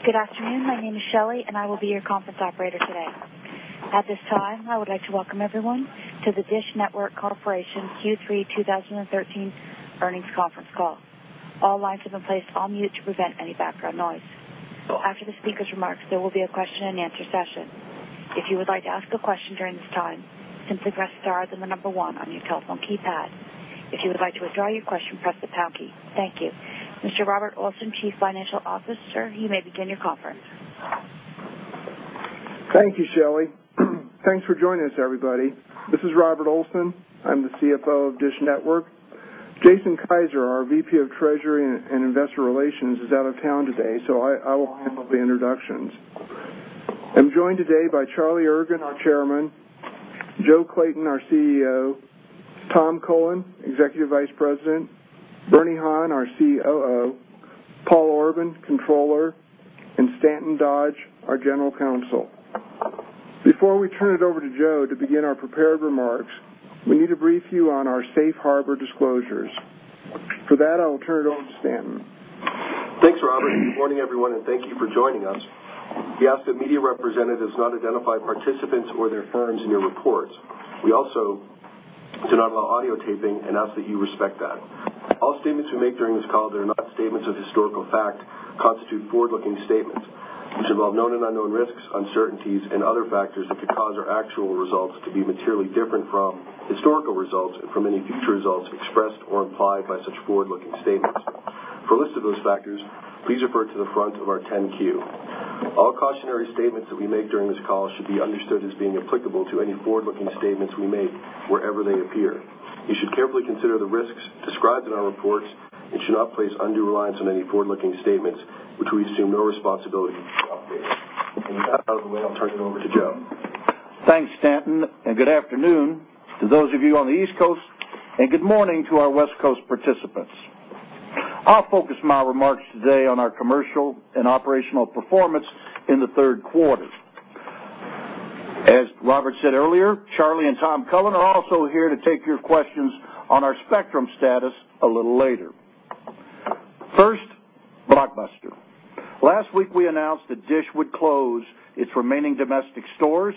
Good afternoon. My name is Shelley, and I will be your conference operator today. At this time, I would like to welcome everyone to the DISH Network Corporation Q3 2013 earnings conference call. All lines have been placed on mute to prevent any background noise. After the speaker's remarks, there will be a question-and-answer session. If you would like to ask a question during this time, simply press star, then the number one on your telephone keypad. If you would like to withdraw your question, press the pound key. Thank you. Mr. Robert Olson, Chief Financial Officer, you may begin your conference. Thank you, Shelley. Thanks for joining us, everybody. This is Robert Olson. I'm the CFO of DISH Network. Jason Kiser, our VP of Treasury and Investor Relations, is out of town today, so I will handle the introductions. I'm joined today by Charlie Ergen, our Chairman; Joe Clayton, our CEO; Tom Cullen, Executive Vice President; Bernie Han, our COO; Paul Orban, Controller; and Stanton Dodge, our General Counsel. Before we turn it over to Joe to begin our prepared remarks, we need to brief you on our safe harbor disclosures. For that, I will turn it over to Stanton. Thanks, Robert. Good morning, everyone, and thank you for joining us. We ask that media representatives not identify participants or their firms in your reports. We also do not allow audio taping and ask that you respect that. All statements we make during this call that are not statements of historical fact constitute forward-looking statements, which involve known and unknown risks, uncertainties, and other factors that could cause our actual results to be materially different from historical results and from any future results expressed or implied by such forward-looking statements. For a list of those factors, please refer to the front of our 10-Q. All cautionary statements that we make during this call should be understood as being applicable to any forward-looking statements we make wherever they appear. You should carefully consider the risks described in our reports and should not place undue reliance on any forward-looking statements, which we assume no responsibility to update. With that out of the way, I'll turn it over to Joe. Thanks, Stanton, and good afternoon to those of you on the East Coast, and good morning to our West Coast participants. I'll focus my remarks today on our commercial and operational performance in the third quarter. As Robert said earlier, Charlie and Tom Cullen are also here to take your questions on our spectrum status a little later. First, Blockbuster. Last week, we announced that DISH would close its remaining domestic stores,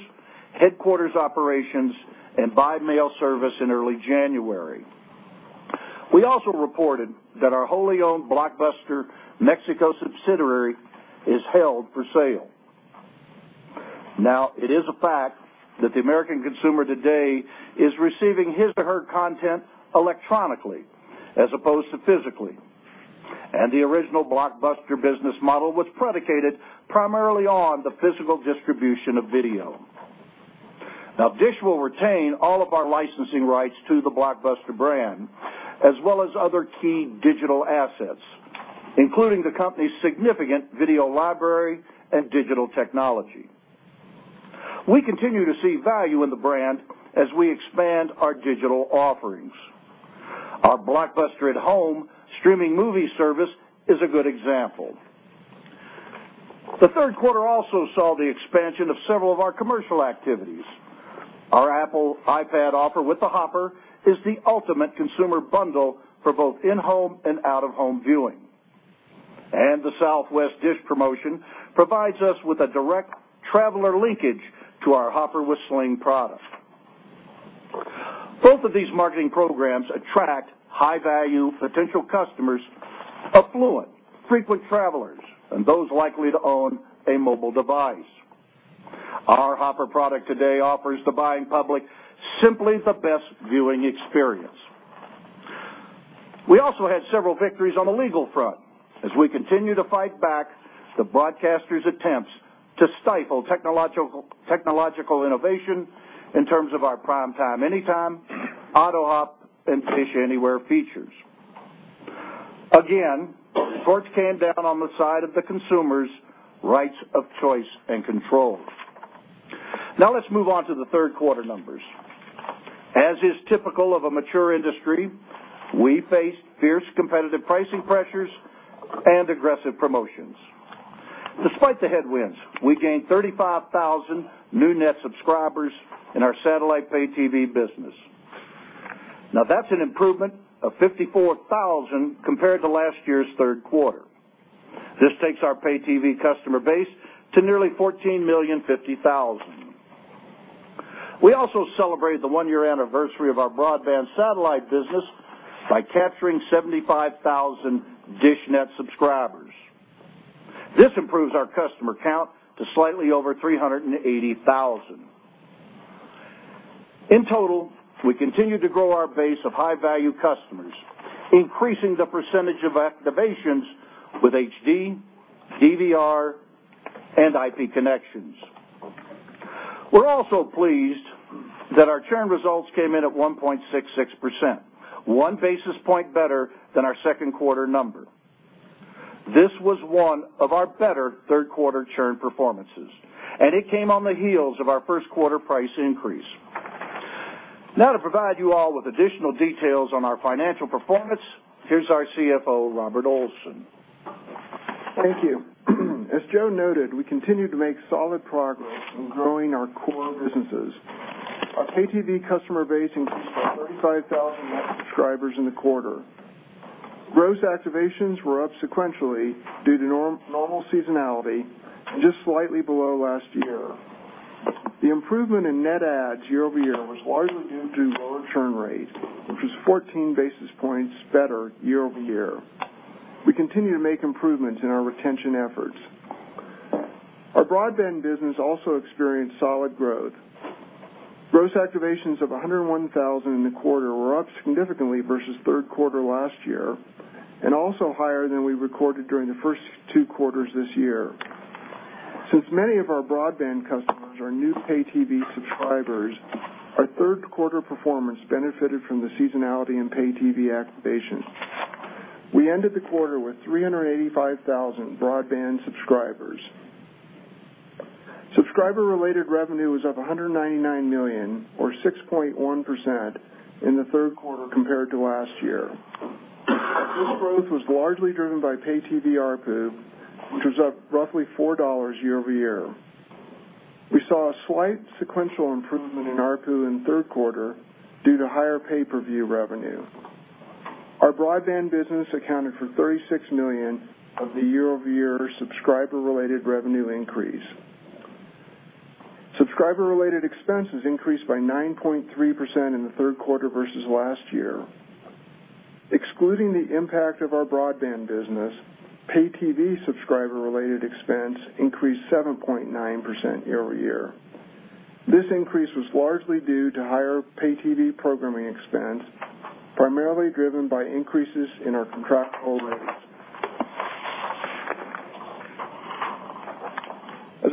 headquarters operations, and by-mail service in early January. We also reported that our wholly owned Blockbuster Mexico subsidiary is held for sale. Now, it is a fact that the American consumer today is receiving his or her content electronically as opposed to physically, and the original Blockbuster business model was predicated primarily on the physical distribution of video. Now, DISH Network will retain all of our licensing rights to the Blockbuster brand, as well as other key digital assets, including the company's significant video library and digital technology. We continue to see value in the brand as we expand our digital offerings. Our Blockbuster @Home streaming movie service is a good example. The third quarter also saw the expansion of several of our commercial activities. Our Apple iPad offer with the Hopper is the ultimate consumer bundle for both in-home and out-of-home viewing. The Southwest DISH Network promotion provides us with a direct traveler linkage to our Hopper with Sling product. Both of these marketing programs attract high-value potential customers, affluent frequent travelers, and those likely to own a mobile device. Our Hopper product today offers the buying public simply the best viewing experience. We also had several victories on the legal front as we continue to fight back the broadcasters' attempts to stifle technological innovation in terms of our PrimeTime Anytime, AutoHop, and DISH Anywhere features. Again, courts came down on the side of the consumer's rights of choice and control. Let's move on to the third quarter numbers. As is typical of a mature industry, we faced fierce competitive pricing pressures and aggressive promotions. Despite the headwinds, we gained 35,000 new net subscribers in our satellite pay-TV business. That's an improvement of 54,000 compared to last year's third quarter. This takes our pay-TV customer base to nearly 14,050,000. We also celebrate the one-year anniversary of our broadband satellite business by capturing 75,000 dishNET subscribers. This improves our customer count to slightly over 380,000. In total, we continue to grow our base of high-value customers, increasing the percentage of activations with HD, DVR, and IP connections. We're also pleased that our churn results came in at 1.66%, 1 basis point better than our second quarter number. This was one of our better third quarter churn performances, and it came on the heels of our first quarter price increase. To provide you all with additional details on our financial performance, here's our CFO, Robert Olson. Thank you. As Joe noted, we continue to make solid progress in growing our core businesses. Our pay-TV customer base increased by 35,000 net subscribers in the quarter. Gross activations were up sequentially due to normal seasonality and just slightly below last year. The improvement in net adds year-over-year was largely due to lower churn rate, which was 14 basis points better year-over-year. We continue to make improvements in our retention efforts. Our broadband business also experienced solid growth. Gross activations of 101,000 in the quarter were up significantly versus third quarter last year, and also higher than we recorded during the first two quarters this year. Since many of our broadband customers are new pay-TV subscribers, our third quarter performance benefited from the seasonality in pay-TV activation. We ended the quarter with 385,000 broadband subscribers. Subscriber-related revenue was up $199 million or 6.1% in the third quarter compared to last year. This growth was largely driven by pay-TV ARPU, which was up roughly $4 year-over-year. We saw a slight sequential improvement in ARPU in third quarter due to higher pay-per-view revenue. Our broadband business accounted for $36 million of the year-over-year subscriber-related revenue increase. Subscriber-related expenses increased by 9.3% in the third quarter versus last year. Excluding the impact of our broadband business, pay-TV subscriber-related expense increased 7.9% year-over-year. This increase was largely due to higher pay-TV programming expense, primarily driven by increases in our contractual rates.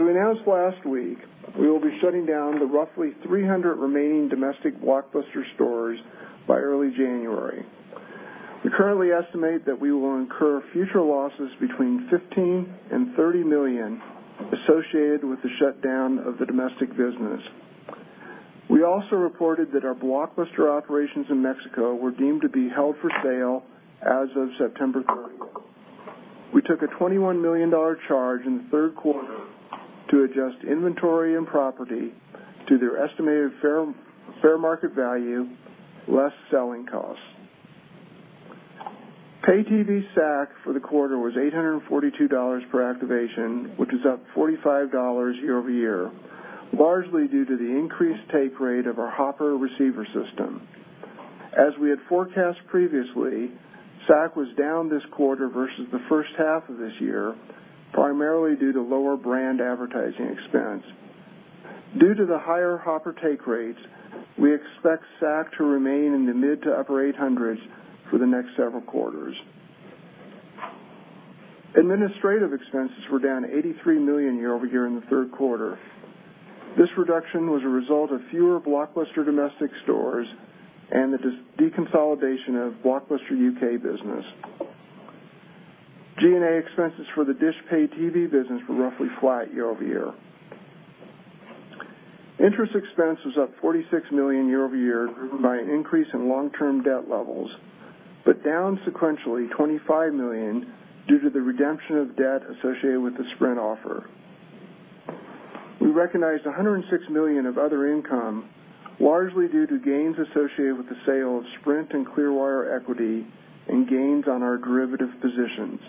As we announced last week, we will be shutting down the roughly 300 remaining domestic Blockbuster stores by early January. We currently estimate that we will incur future losses between $15 million and $30 million associated with the shutdown of the domestic business. We also reported that our Blockbuster operations in Mexico were deemed to be held for sale as of September 30. We took a $21 million charge in the third quarter to adjust inventory and property to their estimated fair market value, less selling costs. pay-TV SAC for the quarter was $842 per activation, which was up $45 year-over-year, largely due to the increased take rate of our Hopper receiver system. As we had forecast previously, SAC was down this quarter versus the first half of this year, primarily due to lower brand advertising expense. Due to the higher Hopper take rates, we expect SAC to remain in the mid to upper $800s for the next several quarters. Administrative expenses were down $83 million year-over-year in the third quarter. This reduction was a result of fewer Blockbuster domestic stores and the deconsolidation of Blockbuster UK business. G&A expenses for the DISH pay-TV business were roughly flat year-over-year. Interest expense was up $46 million year-over-year driven by an increase in long-term debt levels, down sequentially $25 million due to the redemption of debt associated with the Sprint offer. We recognized $106 million of other income, largely due to gains associated with the sale of Sprint and Clearwire equity and gains on our derivative positions.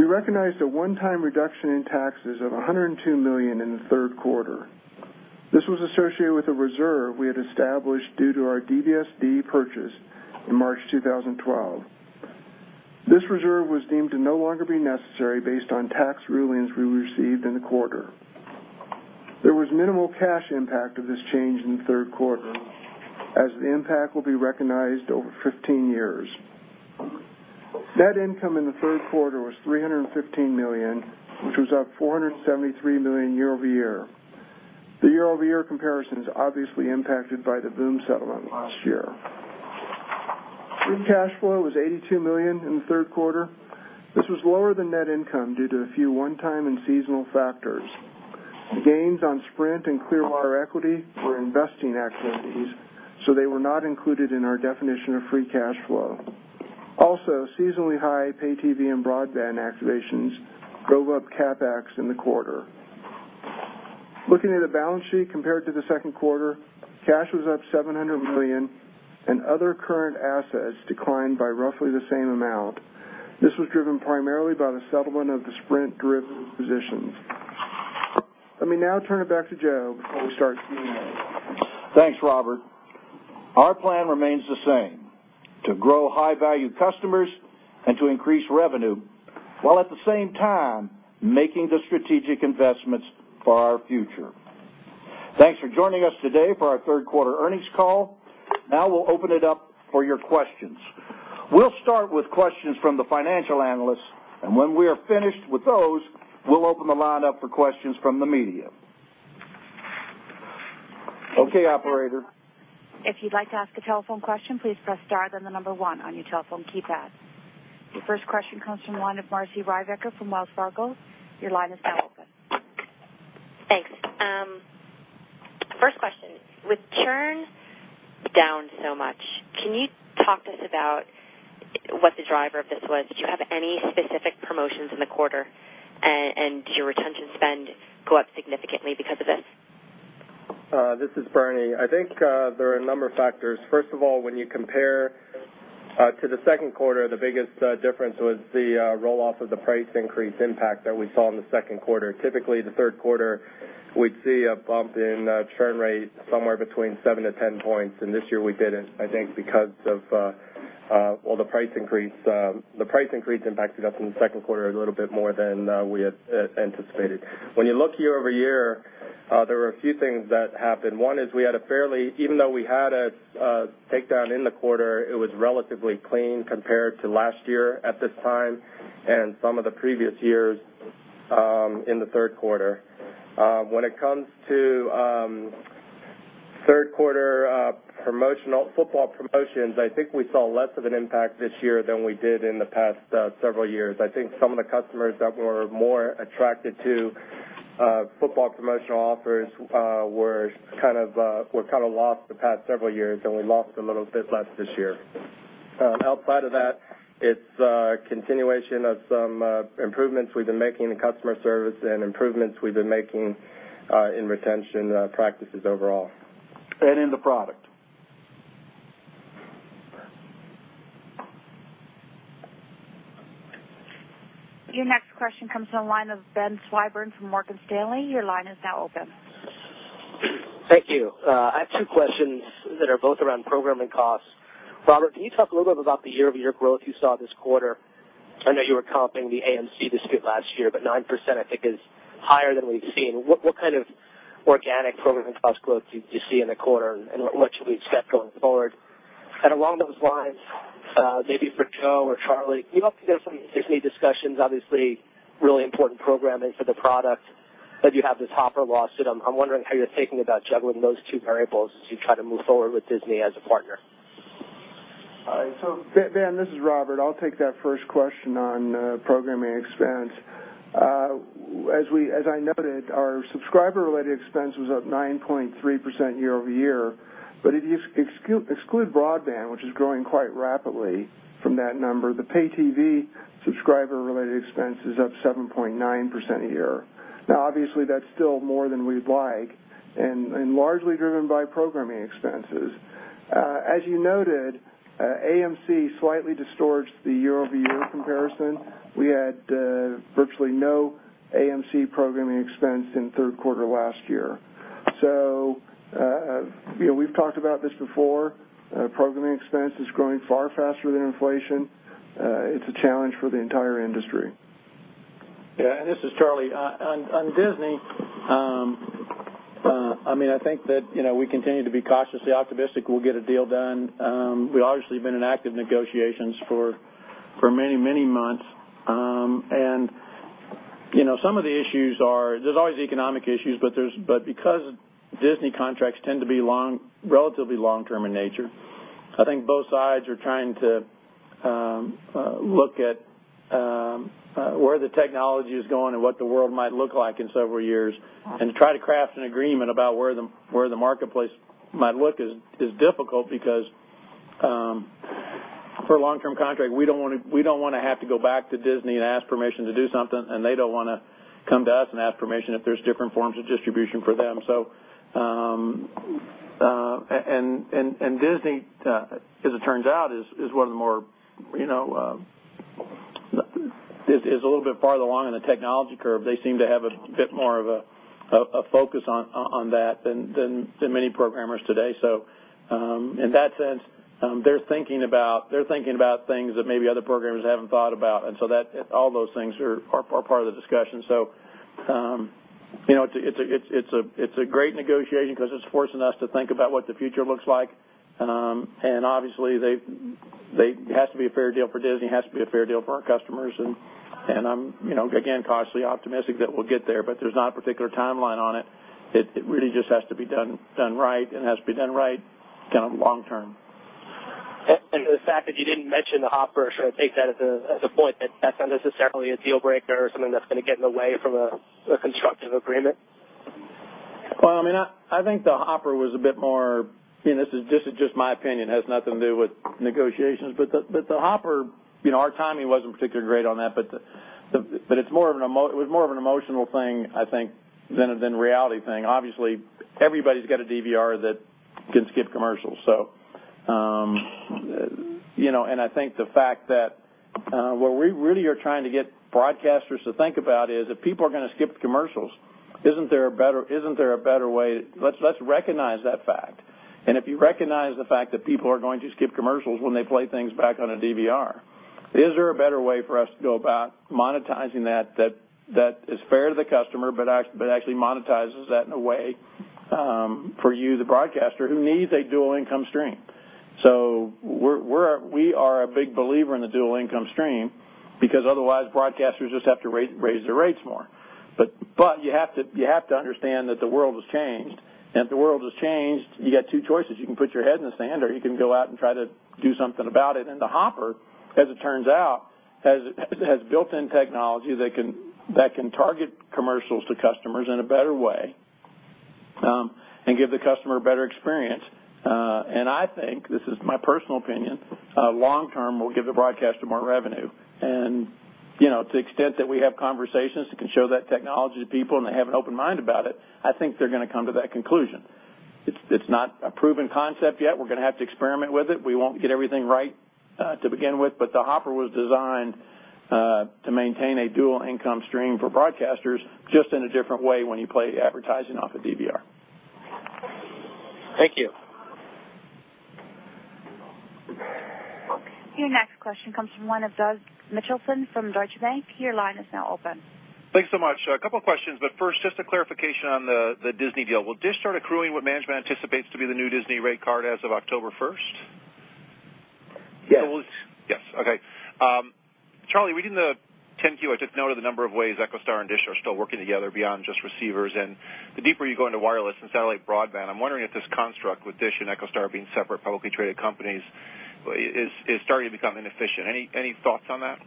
We recognized a one-time reduction in taxes of $102 million in the third quarter. This was associated with a reserve we had established due to our DBSD purchase in March 2012. This reserve was deemed to no longer be necessary based on tax rulings we received in the quarter. There was minimal cash impact of this change in the third quarter as the impact will be recognized over 15 years. Net income in the third quarter was $315 million, which was up $473 million year-over-year. The year-over-year comparison is obviously impacted by the Voom! settlement last year. Free cash flow was $82 million in the third quarter. This was lower than net income due to a few one-time and seasonal factors. The gains on Sprint and Clearwire equity were investing activities, so they were not included in our definition of free cash flow. Also, seasonally high pay-TV and broadband activations drove up CapEx in the quarter. Looking at the balance sheet compared to the second quarter, cash was up $700 million and other current assets declined by roughly the same amount. This was driven primarily by the settlement of the Sprint derivative positions. Let me now turn it back to Joe before we start Q&A. Thanks, Robert. Our plan remains the same, to grow high-value customers and to increase revenue while at the same time making the strategic investments for our future. Thanks for joining us today for our third quarter earnings call. Now we'll open it up for your questions. We'll start with questions from the financial analysts. When we are finished with those, we'll open the line up for questions from the media. Okay, operator. Your first question comes from line of Marci Ryvicker from Wells Fargo. Your line is now open. Thanks. First question, with churn down so much. Can you talk to us about what the driver of this was? Did you have any specific promotions in the quarter? Did your retention spend go up significantly because of this? This is Bernie. I think there are a number of factors. First of all, when you compare to the second quarter, the biggest difference was the roll-off of the price increase impact that we saw in the second quarter. Typically, the third quarter, we'd see a bump in churn rate somewhere between 7 to 10 points, and this year we didn't, I think because of, well, the price increase. The price increase impacted us in the second quarter a little bit more than we had anticipated. When you look year-over-year, there were a few things that happened. One is we had a fairly Even though we had a takedown in the quarter, it was relatively clean compared to last year at this time and some of the previous years in the third quarter. When it comes to third quarter football promotions, I think we saw less of an impact this year than we did in the past several years. I think some of the customers that were more attracted to football promotional offers were kind of lost the past several years, and we lost a little bit less this year. Outside of that, it's a continuation of some improvements we've been making in customer service and improvements we've been making in retention practices overall. In the product. Your next question comes from the line of Ben Swinburne from Morgan Stanley. Your line is now open. Thank you. I have two questions that are both around programming costs. Robert, can you talk a little bit about the year-over-year growth you saw this quarter? I know you were comping the AMC dispute last year, but 9% I think is higher than we've seen. What kind of organic programming cost growth do you see in the quarter, and what should we expect going forward? Along those lines, maybe for Joe or Charlie, can you talk through some Disney discussions? Obviously, really important programming for the product. As you have this Hopper lawsuit, I'm wondering how you're thinking about juggling those two variables as you try to move forward with Disney as a partner. Ben, this is Robert. I'll take that first question on programming expense. As I noted, our subscriber-related expense was up 9.3% year-over-year. If you exclude broadband, which is growing quite rapidly from that number, the pay-TV subscriber-related expense is up 7.9% a year. Now, obviously, that's still more than we'd like and largely driven by programming expenses. As you noted, AMC slightly distorts the year-over-year comparison. We had virtually no AMC programming expense in third quarter last year. You know, we've talked about this before. Programming expense is growing far faster than inflation. It's a challenge for the entire industry. Yeah, this is Charlie. I mean, I think that, you know, we continue to be cautiously optimistic we'll get a deal done. We obviously have been in active negotiations for many, many months. You know, some of the issues are there's always economic issues, but because Disney contracts tend to be relatively long-term in nature, I think both sides are trying to look at where the technology is going and what the world might look like in several years. To try to craft an agreement about where the, where the marketplace might look is difficult because, for a long-term contract, we don't wanna, we don't wanna have to go back to Disney and ask permission to do something, and they don't wanna come to us and ask permission if there's different forms of distribution for them. Disney, as it turns out, is one of the more, you know, is a little bit farther along in the technology curve. They seem to have a bit more of a focus on that than many programmers today. In that sense, they're thinking about things that maybe other programmers haven't thought about. All those things are part of the discussion. You know, it's a great negotiation because it's forcing us to think about what the future looks like. Obviously, it has to be a fair deal for Disney. It has to be a fair deal for our customers. I'm, you know, again, cautiously optimistic that we'll get there. There's not a particular timeline on it. It really just has to be done right and has to be done right kind of long term. The fact that you didn't mention the Hopper, should I take that as a point that that's not necessarily a deal breaker or something that's gonna get in the way from a constructive agreement? Well, I mean, I think the Hopper was a bit more. You know, this is just my opinion, has nothing to do with negotiations. The Hopper, you know, our timing wasn't particularly great on that, but it was more of an emotional thing, I think, than a reality thing. Obviously, everybody's got a DVR that can skip commercials. You know, and I think the fact that what we really are trying to get broadcasters to think about is if people are gonna skip commercials, isn't there a better way? Let's recognize that fact. If you recognize the fact that people are going to skip commercials when they play things back on a DVR, is there a better way for us to go about monetizing that that is fair to the customer, but actually monetizes that in a way for you, the broadcaster, who needs a dual income stream? We are a big believer in the dual income stream because otherwise broadcasters just have to raise their rates more. You have to understand that the world has changed. If the world has changed, you got two choices. You can put your head in the sand, or you can go out and try to do something about it. The Hopper, as it turns out, has built-in technology that can target commercials to customers in a better way, and give the customer a better experience. I think, this is my personal opinion, long term will give the broadcaster more revenue. You know, to the extent that we have conversations that can show that technology to people, and they have an open mind about it, I think they're gonna come to that conclusion. It's not a proven concept yet. We're gonna have to experiment with it. We won't get everything right to begin with, but the Hopper was designed to maintain a dual income stream for broadcasters just in a different way when you play advertising off a DVR. Thank you. Your next question comes from one of Doug Mitchelson from Deutsche Bank. Your line is now open. Thanks so much. First, just a clarification on the Disney deal. Will DISH start accruing what management anticipates to be the new Disney rate card as of October 1st? Yes. It's Yes. Okay. Charlie, reading the 10-Q, I just noted the number of ways EchoStar and DISH are still working together beyond just receivers. The deeper you go into wireless and satellite broadband, I'm wondering if this construct with DISH and EchoStar being separate publicly traded companies is starting to become inefficient. Any thoughts on that?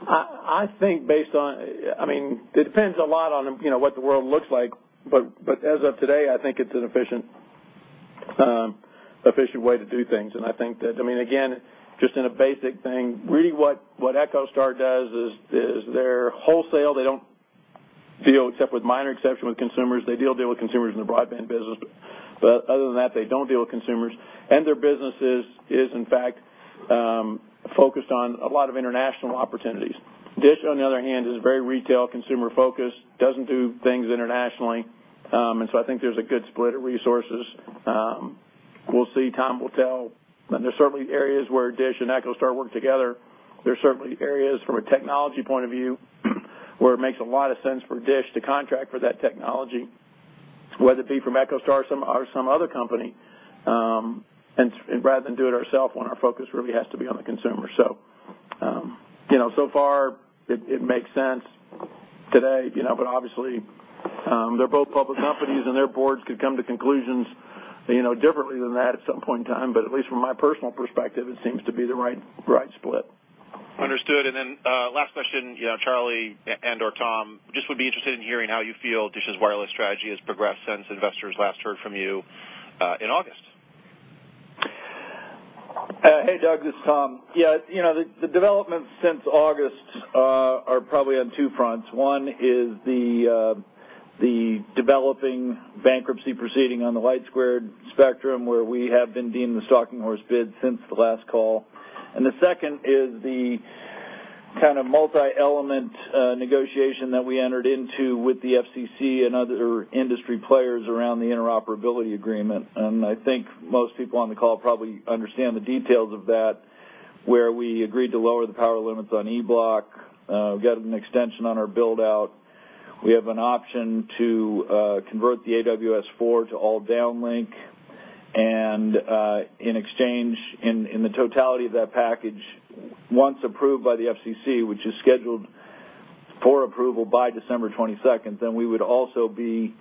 I think based on I mean, it depends a lot on, you know, what the world looks like. But as of today, I think it's an efficient way to do things. I think that I mean, again, just in a basic thing, really what EchoStar does is they're wholesale. They don't deal, except with minor exception, with consumers. They do deal with consumers in the broadband business, but other than that, they don't deal with consumers, and their business is in fact, focused on a lot of international opportunities. DISH, on the other hand, is very retail consumer-focused, doesn't do things internationally. I think there's a good split of resources. We'll see. Time will tell. There's certainly areas where DISH and EchoStar work together. There's certainly areas from a technology point of view where it makes a lot of sense for DISH to contract for that technology, whether it be from EchoStar some or some other company, and rather than do it ourself when our focus really has to be on the consumer. You know, so far it makes sense today, you know. Obviously, they're both public companies and their boards could come to conclusions, you know, differently than that at some point in time. At least from my personal perspective, it seems to be the right split. Understood. Last question. You know, Charlie and/or Tom, just would be interested in hearing how you feel DISH's wireless strategy has progressed since investors last heard from you, in August. Hey, Doug, this is Tom. The developments since August are probably on two fronts. One is the developing bankruptcy proceeding on the LightSquared spectrum, where we have been deemed the stalking horse bid since the last call. The second is the kind of multi-element negotiation that we entered into with the FCC and other industry players around the interoperability agreement. I think most people on the call probably understand the details of that, where we agreed to lower the power limits on E Block, we got an extension on our build-out. We have an option to convert the AWS-4 to all downlink. In exchange, in the totality of that package, once approved by the FCC, which is scheduled for approval by December 22nd, then we would also be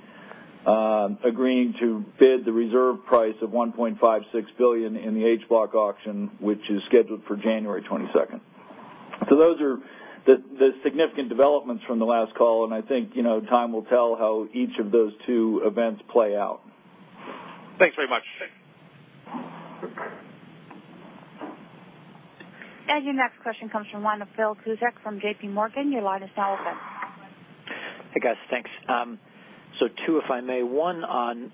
agreeing to bid the reserve price of $1.56 billion in the H Block auction, which is scheduled for January 22nd. Those are the significant developments from the last call, and I think, you know, time will tell how each of those two events play out. Thanks very much. Okay. Your next question comes from one of Philip Cusick from JPMorgan. Your line is now open. Hey, guys. Thanks. Two if I may. One on,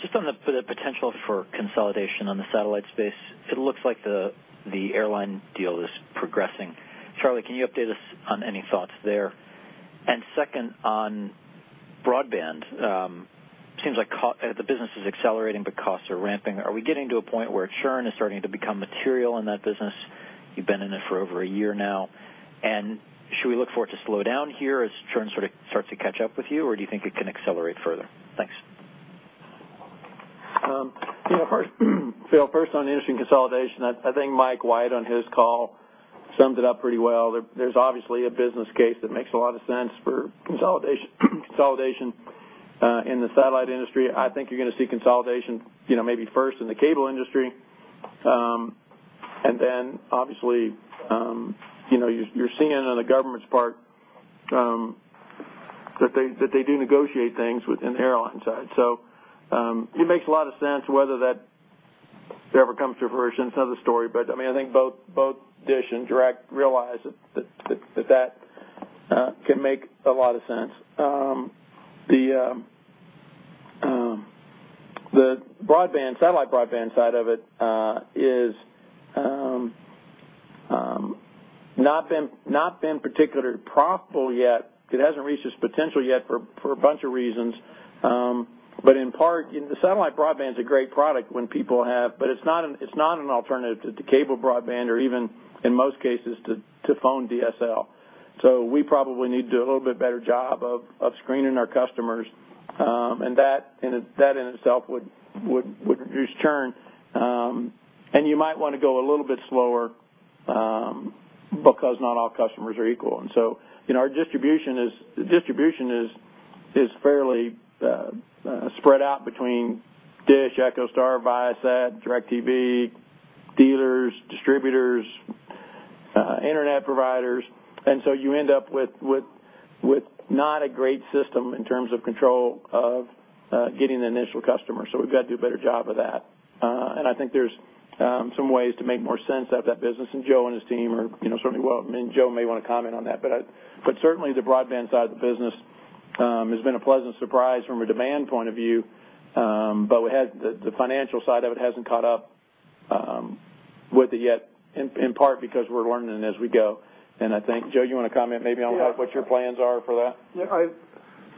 just on the potential for consolidation on the satellite space, it looks like the airline deal is progressing. Charlie, can you update us on any thoughts there? Second, on broadband, seems like the business is accelerating, but costs are ramping. Are we getting to a point where churn is starting to become material in that business? You've been in it for over a year now. Should we look for it to slow down here as churn sort of starts to catch up with you, or do you think it can accelerate further? Thanks. You know, first, Phil, first on the interesting consolidation, I think Mike White on his call summed it up pretty well. There's obviously a business case that makes a lot of sense for consolidation in the satellite industry. I think you're gonna see consolidation, you know, maybe first in the cable industry. Then obviously, you know, you're seeing on the government's part, that they do negotiate things within the airline side. It makes a lot of sense. Whether that ever comes to fruition, it's another story. I mean, I think both DISH and DirecTV realize that can make a lot of sense. The broadband, satellite broadband side of it, is not been particularly profitable yet. It hasn't reached its potential yet for a bunch of reasons. In part, you know, the satellite broadband's a great product when people have But it's not an alternative to cable broadband or even in most cases to phone DSL. We probably need to do a little bit better job of screening our customers. That in itself would reduce churn. You might wanna go a little bit slower because not all customers are equal. You know, our distribution is fairly spread out between DISH, EchoStar, Viasat, DirecTV, dealers, distributors, internet providers. You end up with not a great system in terms of control of getting the initial customer. We've got to do a better job of that. I think there's some ways to make more sense out of that business. Joe and his team are, you know, certainly and Joe may wanna comment on that. Certainly the broadband side of the business has been a pleasant surprise from a demand point of view. We had the financial side of it hasn't caught up with it yet, in part because we're learning as we go. I think, Joe, you wanna comment maybe on. Yeah. What your plans are for that?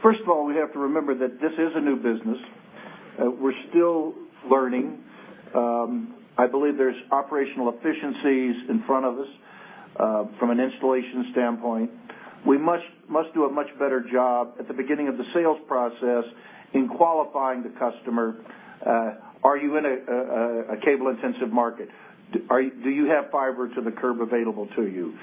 First of all, we have to remember that this is a new business. We're still learning. I believe there's operational efficiencies in front of us from an installation standpoint. We must do a much better job at the beginning of the sales process in qualifying the customer. Are you in a cable-intensive market? Do you have fiber to the curb available to you?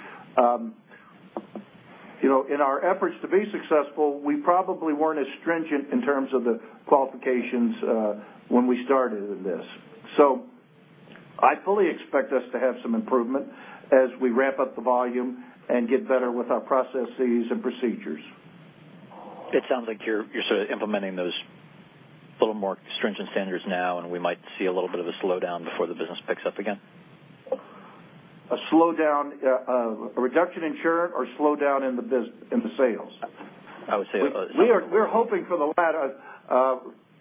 You know, in our efforts to be successful, we probably weren't as stringent in terms of the qualifications when we started this. I fully expect us to have some improvement as we ramp up the volume and get better with our processes and procedures. It sounds like you're sort of implementing those a little more stringent standards now, and we might see a little bit of a slowdown before the business picks up again. A slowdown, of a reduction in churn or slowdown in the sales? I would say- We're hoping for the latter,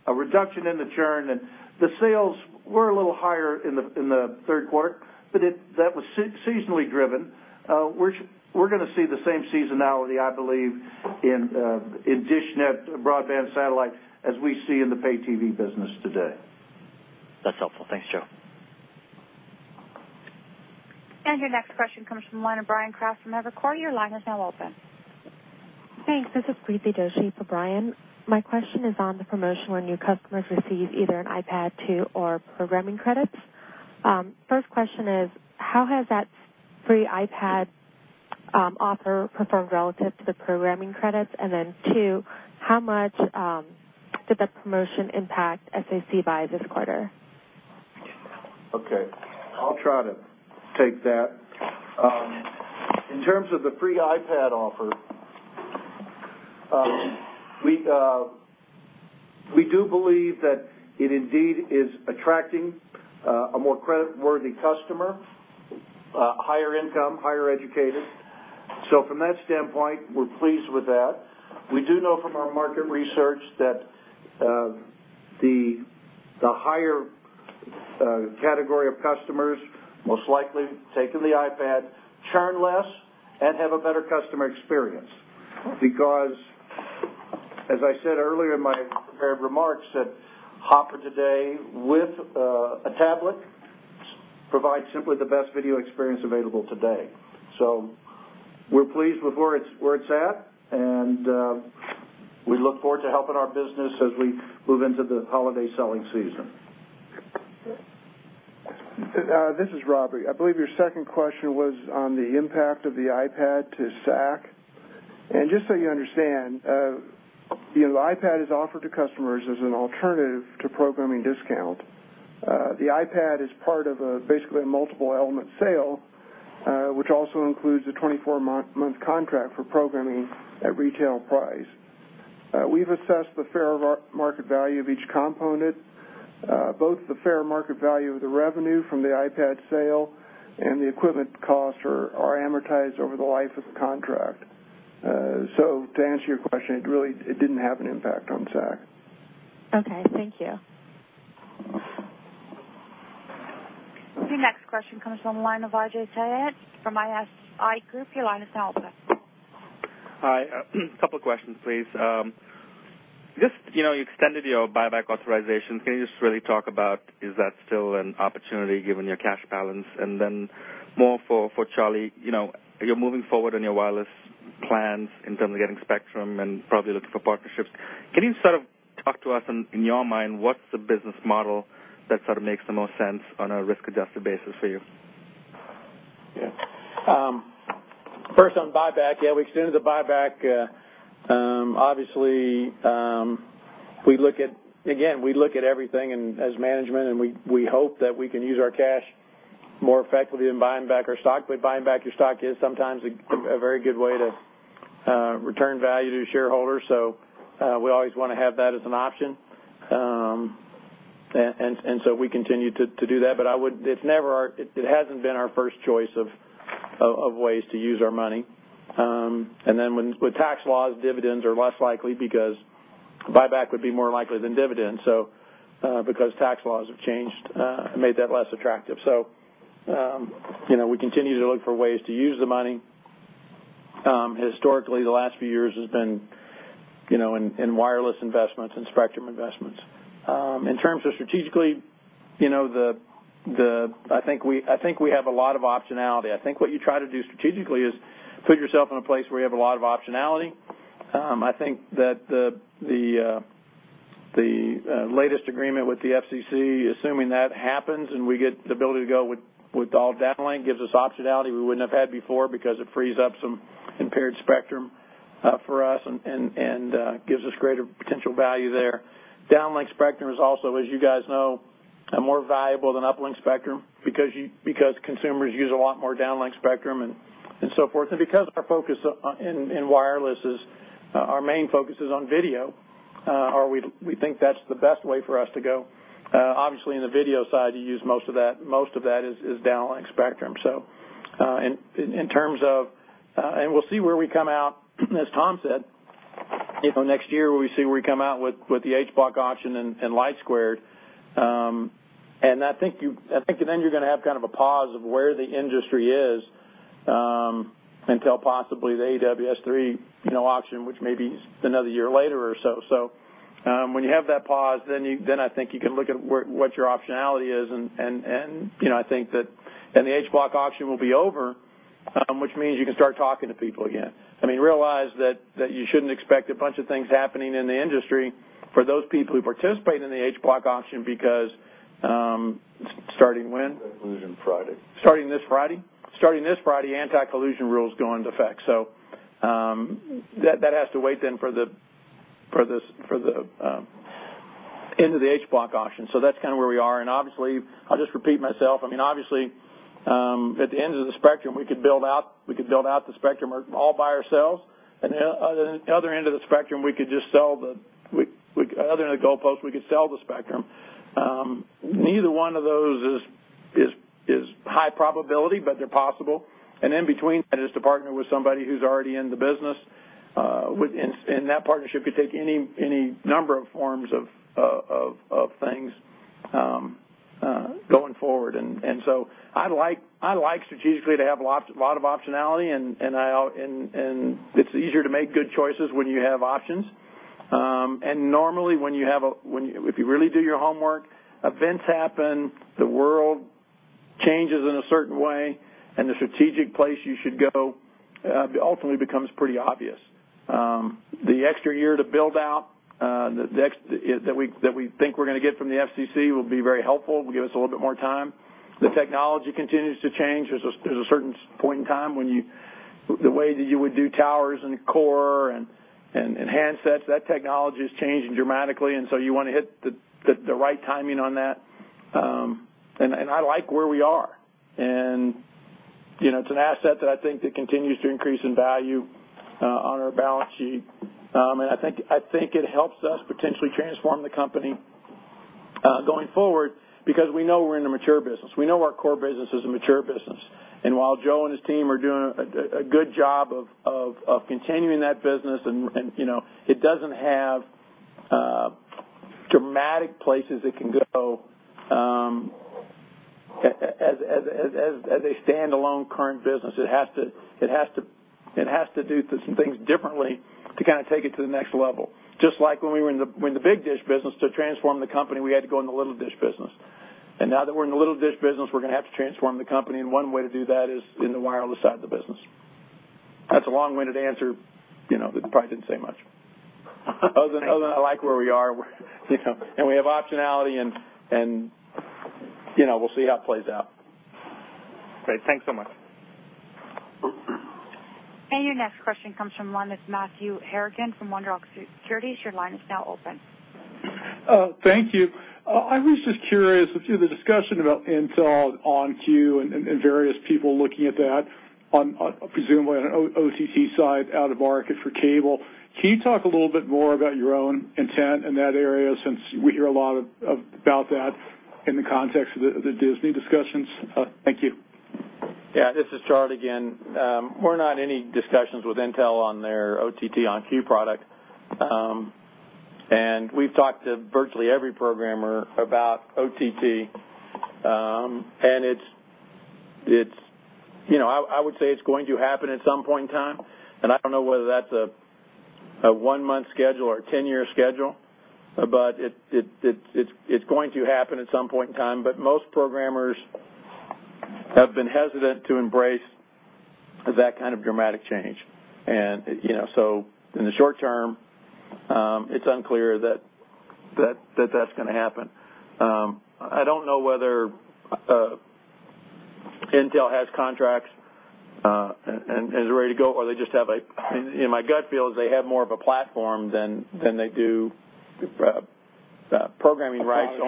a reduction in the churn. The sales were a little higher in the third quarter, that was seasonally driven. We're gonna see the same seasonality, I believe, in dishNET broadband satellite as we see in the pay-TV business today. That's helpful. Thanks, Joe. Your next question comes from the line of Bryan Kraft from Evercore. Thanks. This is Preeti Doshi for Bryan. My question is on the promotion where new customers receive either an iPad 2 or programming credits. First question is, how has that free iPad offer performed relative to the programming credits? Then 2, how much did that promotion impact SAC by this quarter? Okay, I'll try to take that. In terms of the free iPad offer, we do believe that it indeed is attracting a more creditworthy customer, higher income, higher educated. From that standpoint, we're pleased with that. We do know from our market research that the higher category of customers most likely taking the iPad churn less and have a better customer experience. As I said earlier in my prepared remarks, that Hopper today with a tablet provides simply the best video experience available today. We're pleased with where it's at, and we look forward to helping our business as we move into the holiday selling season. This is Robert. I believe your second question was on the impact of the iPad to SAC. Just so you understand, you know, the iPad is offered to customers as an alternative to programming discount. The iPad is part of a basically a multiple element sale, which also includes a 24-month contract for programming at retail price. We've assessed the fair of our market value of each component, both the fair market value of the revenue from the iPad sale and the equipment costs are amortized over the life of the contract. To answer your question, it didn't have an impact on SAC. Okay. Thank you. Your next question comes from the line of Vijay Jayant from ISI Group. Your line is now open. Hi. A couple questions, please. Just, you know, you extended your buyback authorization. Can you just really talk about is that still an opportunity given your cash balance? Then more for Charlie, you know, you're moving forward on your wireless plans in terms of getting spectrum and probably looking for partnerships. Can you sort of talk to us in your mind, what's the business model that sort of makes the most sense on a risk-adjusted basis for you? First on buyback, we extended the buyback. Obviously, we look at, again, we look at everything and as management, we hope that we can use our cash more effectively than buying back our stock. Buying back your stock is sometimes a very good way to return value to shareholders. We always wanna have that as an option. We continue to do that. It hasn't been our first choice of ways to use our money. With tax laws, dividends are less likely because buyback would be more likely than dividends. Because tax laws have changed and made that less attractive. You know, we continue to look for ways to use the money. Historically, the last few years has been in wireless investments and spectrum investments. In terms of strategically, I think we have a lot of optionality. I think what you try to do strategically is put yourself in a place where you have a lot of optionality. I think that the latest agreement with the FCC, assuming that happens and we get the ability to go with all downlink, gives us optionality we wouldn't have had before because it frees up some impaired spectrum. For us and gives us greater potential value there. Downlink spectrum is also, as you guys know, more valuable than uplink spectrum because consumers use a lot more downlink spectrum and so forth. Because our focus in wireless is our main focus is on video, or we think that's the best way for us to go. Obviously in the video side, you use most of that is downlink spectrum. In terms of, we'll see where we come out, as Tom said, you know, next year we see where we come out with the H Block auction and LightSquared. I think then you're gonna have kind of a pause of where the industry is until possibly the AWS-3, you know, auction, which may be another year later or so. When you have that pause, then I think you can look at what your optionality is and, you know, I think that the H Block auction will be over, which means you can start talking to people again. Realize that you shouldn't expect a bunch of things happening in the industry for those people who participate in the H Block auction because, starting when? Collusion Friday. Starting this Friday? Starting this Friday, anti-collusion rules go into effect. That has to wait then for the end of the H Block auction. That's kind of where we are. Obviously, I'll just repeat myself. I mean, obviously, at the end of the spectrum, we could build out the spectrum all by ourselves. On the other end of the spectrum, we could just sell the spectrum. Neither one of those is high probability, but they're possible. In between that is to partner with somebody who's already in the business, in that partnership could take any number of forms of things going forward. I like strategically to have a lot of optionality and it's easier to make good choices when you have options. Normally, when you if you really do your homework, events happen, the world changes in a certain way, and the strategic place you should go ultimately becomes pretty obvious. The extra year to build out that we think we're gonna get from the FCC will be very helpful, will give us a little bit more time. The technology continues to change. There's a certain point in time when you the way that you would do towers and core and handsets, that technology is changing dramatically, you wanna hit the right timing on that. And I like where we are. You know, it's an asset that I think that continues to increase in value on our balance sheet. I think, I think it helps us potentially transform the company going forward because we know we're in a mature business. We know our core business is a mature business. While Joe and his team are doing a good job of continuing that business and, you know, it doesn't have dramatic places it can go as a standalone current business. It has to do some things differently to kind of take it to the next level. Just like when we were in the big DISH business to transform the company, we had to go in the little DISH business. Now that we're in the little DISH business, we're going to have to transform the company, and one way to do that is in the wireless side of the business. That's a long-winded answer, you know, that probably didn't say much. Other than I like where we are, you know, and we have optionality and, you know, we'll see how it plays out. Great. Thanks so much. Your next question comes from line of Matthew Harrigan from Wunderlich Securities. Your line is now open. Thank you. I was just curious with, you know, the discussion about Intel OnCue and various people looking at that on, presumably on an OTT side out of market for cable. Can you talk a little bit more about your own intent in that area since we hear a lot about that in the context of the Disney discussions? Thank you. Yeah, this is Charlie again. We're not in any discussions with Intel on their OTT OnCue product. We've talked to virtually every programmer about OTT, You know, I would say it's going to happen at some point in time, and I don't know whether that's a one-month schedule or a 10 year schedule, but it's going to happen at some point in time. Most programmers have been hesitant to embrace that kind of dramatic change. You know, in the short term, it's unclear that that's gonna happen. I don't know whether Intel has contracts, and is ready to go, or they just have my gut feel is they have more of a platform than they do, programming rights.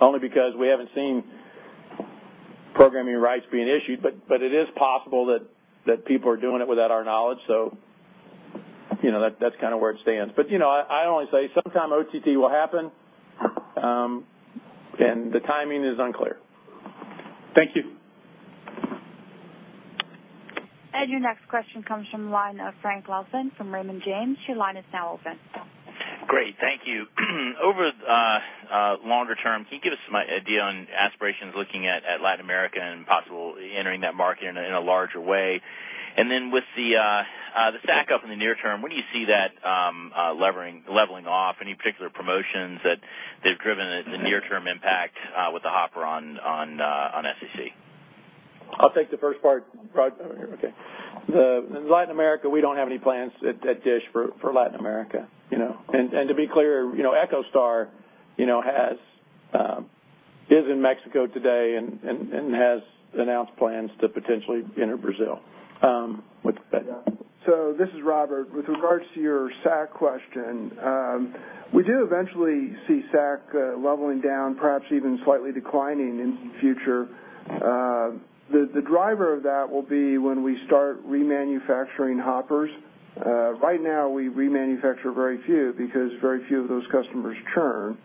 Only because we haven't seen programming rights being issued. It is possible that people are doing it without our knowledge. You know, that's kind of where it stands. You know, I only say sometime OTT will happen, and the timing is unclear. Thank you. Your next question comes from line of Frank Louthan from Raymond James. Your line is now open. Great. Thank you. Over the longer term, can you give us some idea on aspirations looking at Latin America and possibly entering that market in a larger way? With the stack up in the near term, when do you see that leveling off? Any particular promotions that they've driven the near term impact with the Hopper on SAC? I'll take the first part. Rob, okay. The Latin America, we don't have any plans at DISH for Latin America, you know. To be clear, you know, EchoStar, you know, is in Mexico today and has announced plans to potentially enter Brazil. With that. This is Robert. With regards to your SAC question, we do eventually see SAC leveling down, perhaps even slightly declining in future. The driver of that will be when we start remanufacturing Hoppers. Right now, we remanufacture very few because very few of those customers churn.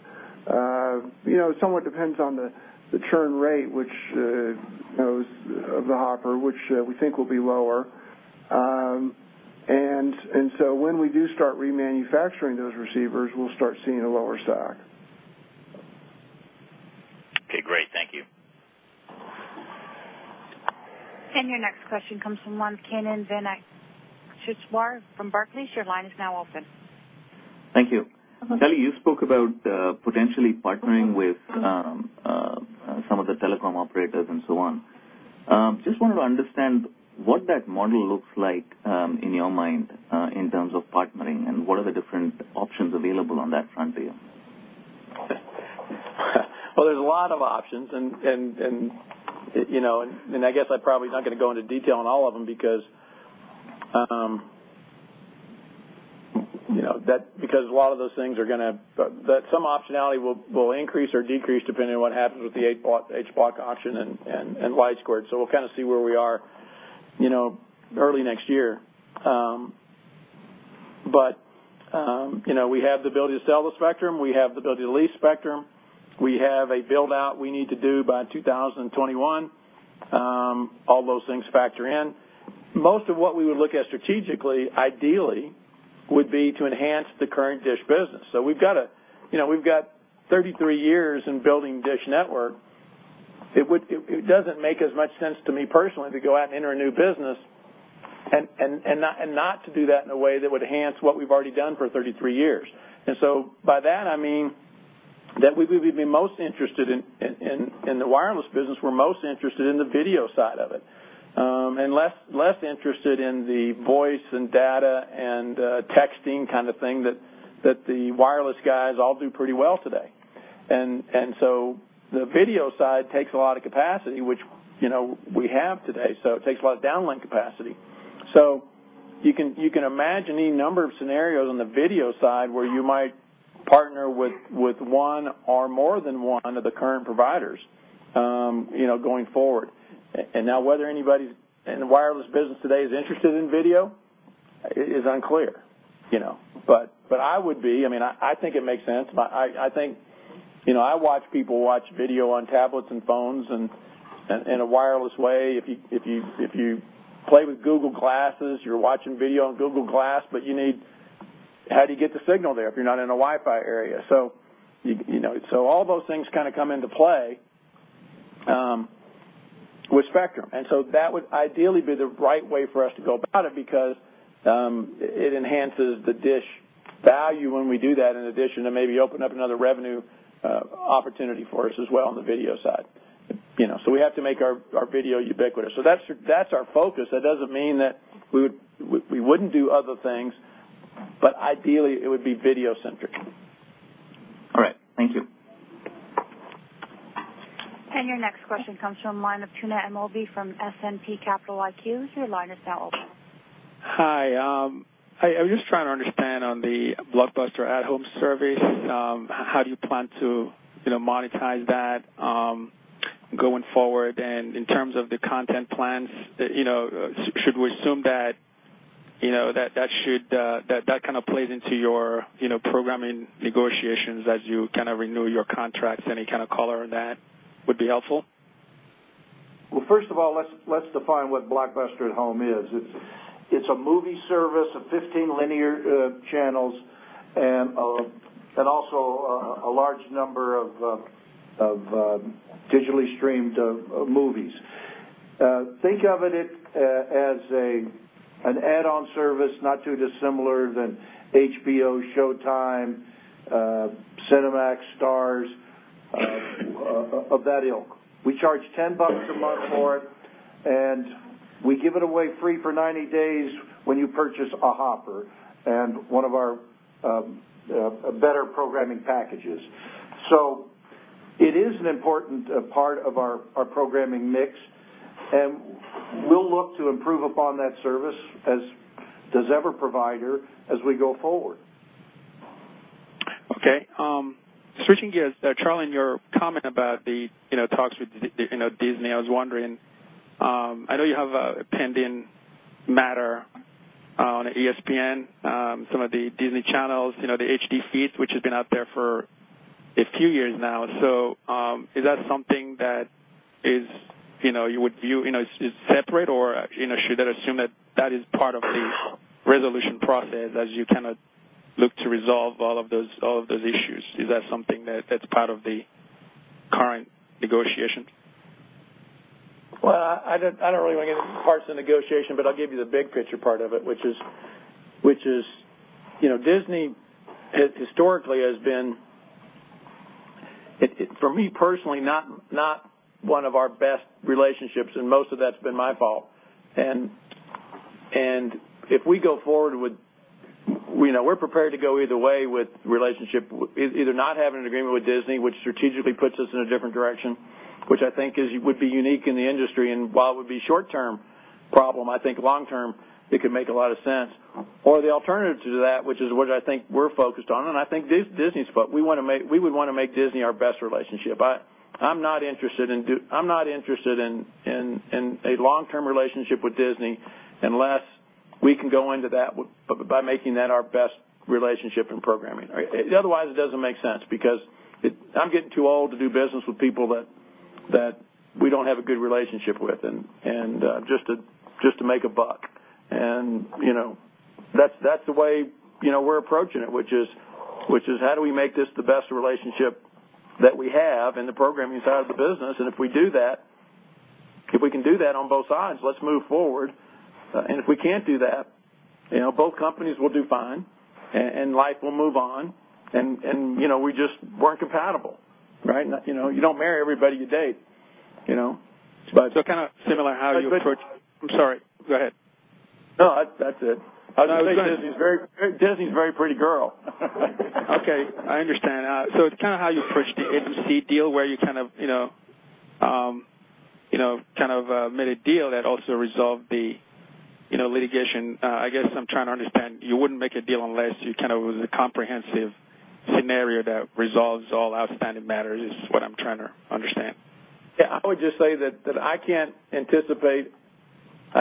You know, somewhat depends on the churn rate, which, you know, of the Hopper, which we think will be lower. When we do start remanufacturing those receivers, we'll start seeing a lower SAC. Okay, great. Thank you. Your next question comes from line of Kannan Venkateshwar from Barclays. Your line is now open. Thank you. Charlie, you spoke about potentially partnering with some of the telecom operators and so on. Just wanted to understand what that model looks like in your mind in terms of partnering, and what are the different options available on that front for you? There's a lot of options, you know, I guess I'm probably not gonna go into detail on all of them. Some optionality will increase or decrease depending on what happens with the H Block auction and LightSquared. We'll kind of see where we are, you know, early next year. You know, we have the ability to sell the spectrum. We have the ability to lease spectrum. We have a build-out we need to do by 2021. All those things factor in. Most of what we would look at strategically, ideally, would be to enhance the current DISH business. We've got, you know, 33 years in building DISH Network. It doesn't make as much sense to me personally to go out and enter a new business and not to do that in a way that would enhance what we've already done for 33 years. By that, I mean that we would be most interested in the wireless business, we're most interested in the video side of it, and less interested in the voice and data and texting kind of thing that the wireless guys all do pretty well today. The video side takes a lot of capacity, which, you know, we have today. It takes a lot of downlink capacity. You can imagine any number of scenarios on the video side where you might partner with one or more than one of the current providers, you know, going forward. Now, whether anybody's in the wireless business today is interested in video is unclear, you know. I would be. I mean, I think it makes sense. I think You know, I watch people watch video on tablets and phones and in a wireless way. If you play with Google Glass, you're watching video on Google Glass, but you need How do you get the signal there if you're not in a Wi-Fi area? You know, all those things kinda come into play with spectrum. That would ideally be the right way for us to go about it because, it enhances the DISH value when we do that, in addition to maybe opening up another revenue opportunity for us as well on the video side. You know, we have to make our video ubiquitous. That's our, that's our focus. That doesn't mean that we wouldn't do other things, but ideally, it would be video-centric. All right. Thank you. Your next question comes from line of Tuna Amobi from S&P Capital IQ. Your line is now open. Hi. I'm just trying to understand on the Blockbuster @Home service, how do you plan to, you know, monetize that, going forward? In terms of the content plans, you know, should we assume that, you know, that that should, that that kind of plays into your, you know, programming negotiations as you kind of renew your contracts? Any kind of color on that would be helpful. Well, first of all, let's define what Blockbuster @Home is. It's a movie service of 15 linear channels and also a large number of digitally streamed movies. Think of it as an add-on service not too dissimilar than HBO, SHOWTIME, Cinemax, STARZ of that ilk. We charge $10 a month for it, we give it away free for 90 days when you purchase a Hopper and one of our better programming packages. It is an important part of our programming mix, and we'll look to improve upon that service, as does every provider, as we go forward. Okay. switching gears. Charlie, in your comment about the, you know, talks with Disney, I was wondering, I know you have a pending matter on ESPN, some of the Disney channels, you know, the HD feeds, which has been out there for a few years now. Is that something that is, you know, you would view, you know, as separate or, you know, should I assume that that is part of the resolution process as you kind of look to resolve all of those issues? Is that something that's part of the current negotiations? Well, I don't really wanna get into parts of the negotiation, but I'll give you the big picture part of it, which is, you know, Disney historically has been it.. For me personally, not one of our best relationships, and most of that's been my fault. If we go forward with, you know, we're prepared to go either way with relationship either not having an agreement with Disney, which strategically puts us in a different direction, which I think is, would be unique in the industry. While it would be short term problem, I think long term it could make a lot of sense. The alternative to that, which is what I think we're focused on, and I think Disney's We would wanna make Disney our best relationship. I'm not interested in a long-term relationship with Disney unless we can go into that by making that our best relationship in programming. Otherwise, it doesn't make sense because I'm getting too old to do business with people that we don't have a good relationship with and just to make a buck. You know, that's the way, you know, we're approaching it, which is how do we make this the best relationship that we have in the programming side of the business? If we do that, if we can do that on both sides, let's move forward. If we can't do that, you know, both companies will do fine and life will move on and, you know, we just weren't compatible, right? You know, you don't marry everybody you date, you know? Kind of similar how you. But- I'm sorry. Go ahead. No, that's it. I was gonna say, Disney's a very pretty girl. I understand. It's kinda how you approach the [inaudible] deal where you know, made a deal that also resolved the, you know, litigation. I guess I'm trying to understand, you wouldn't make a deal unless it was a comprehensive scenario that resolves all outstanding matters. Yeah. I would just say that I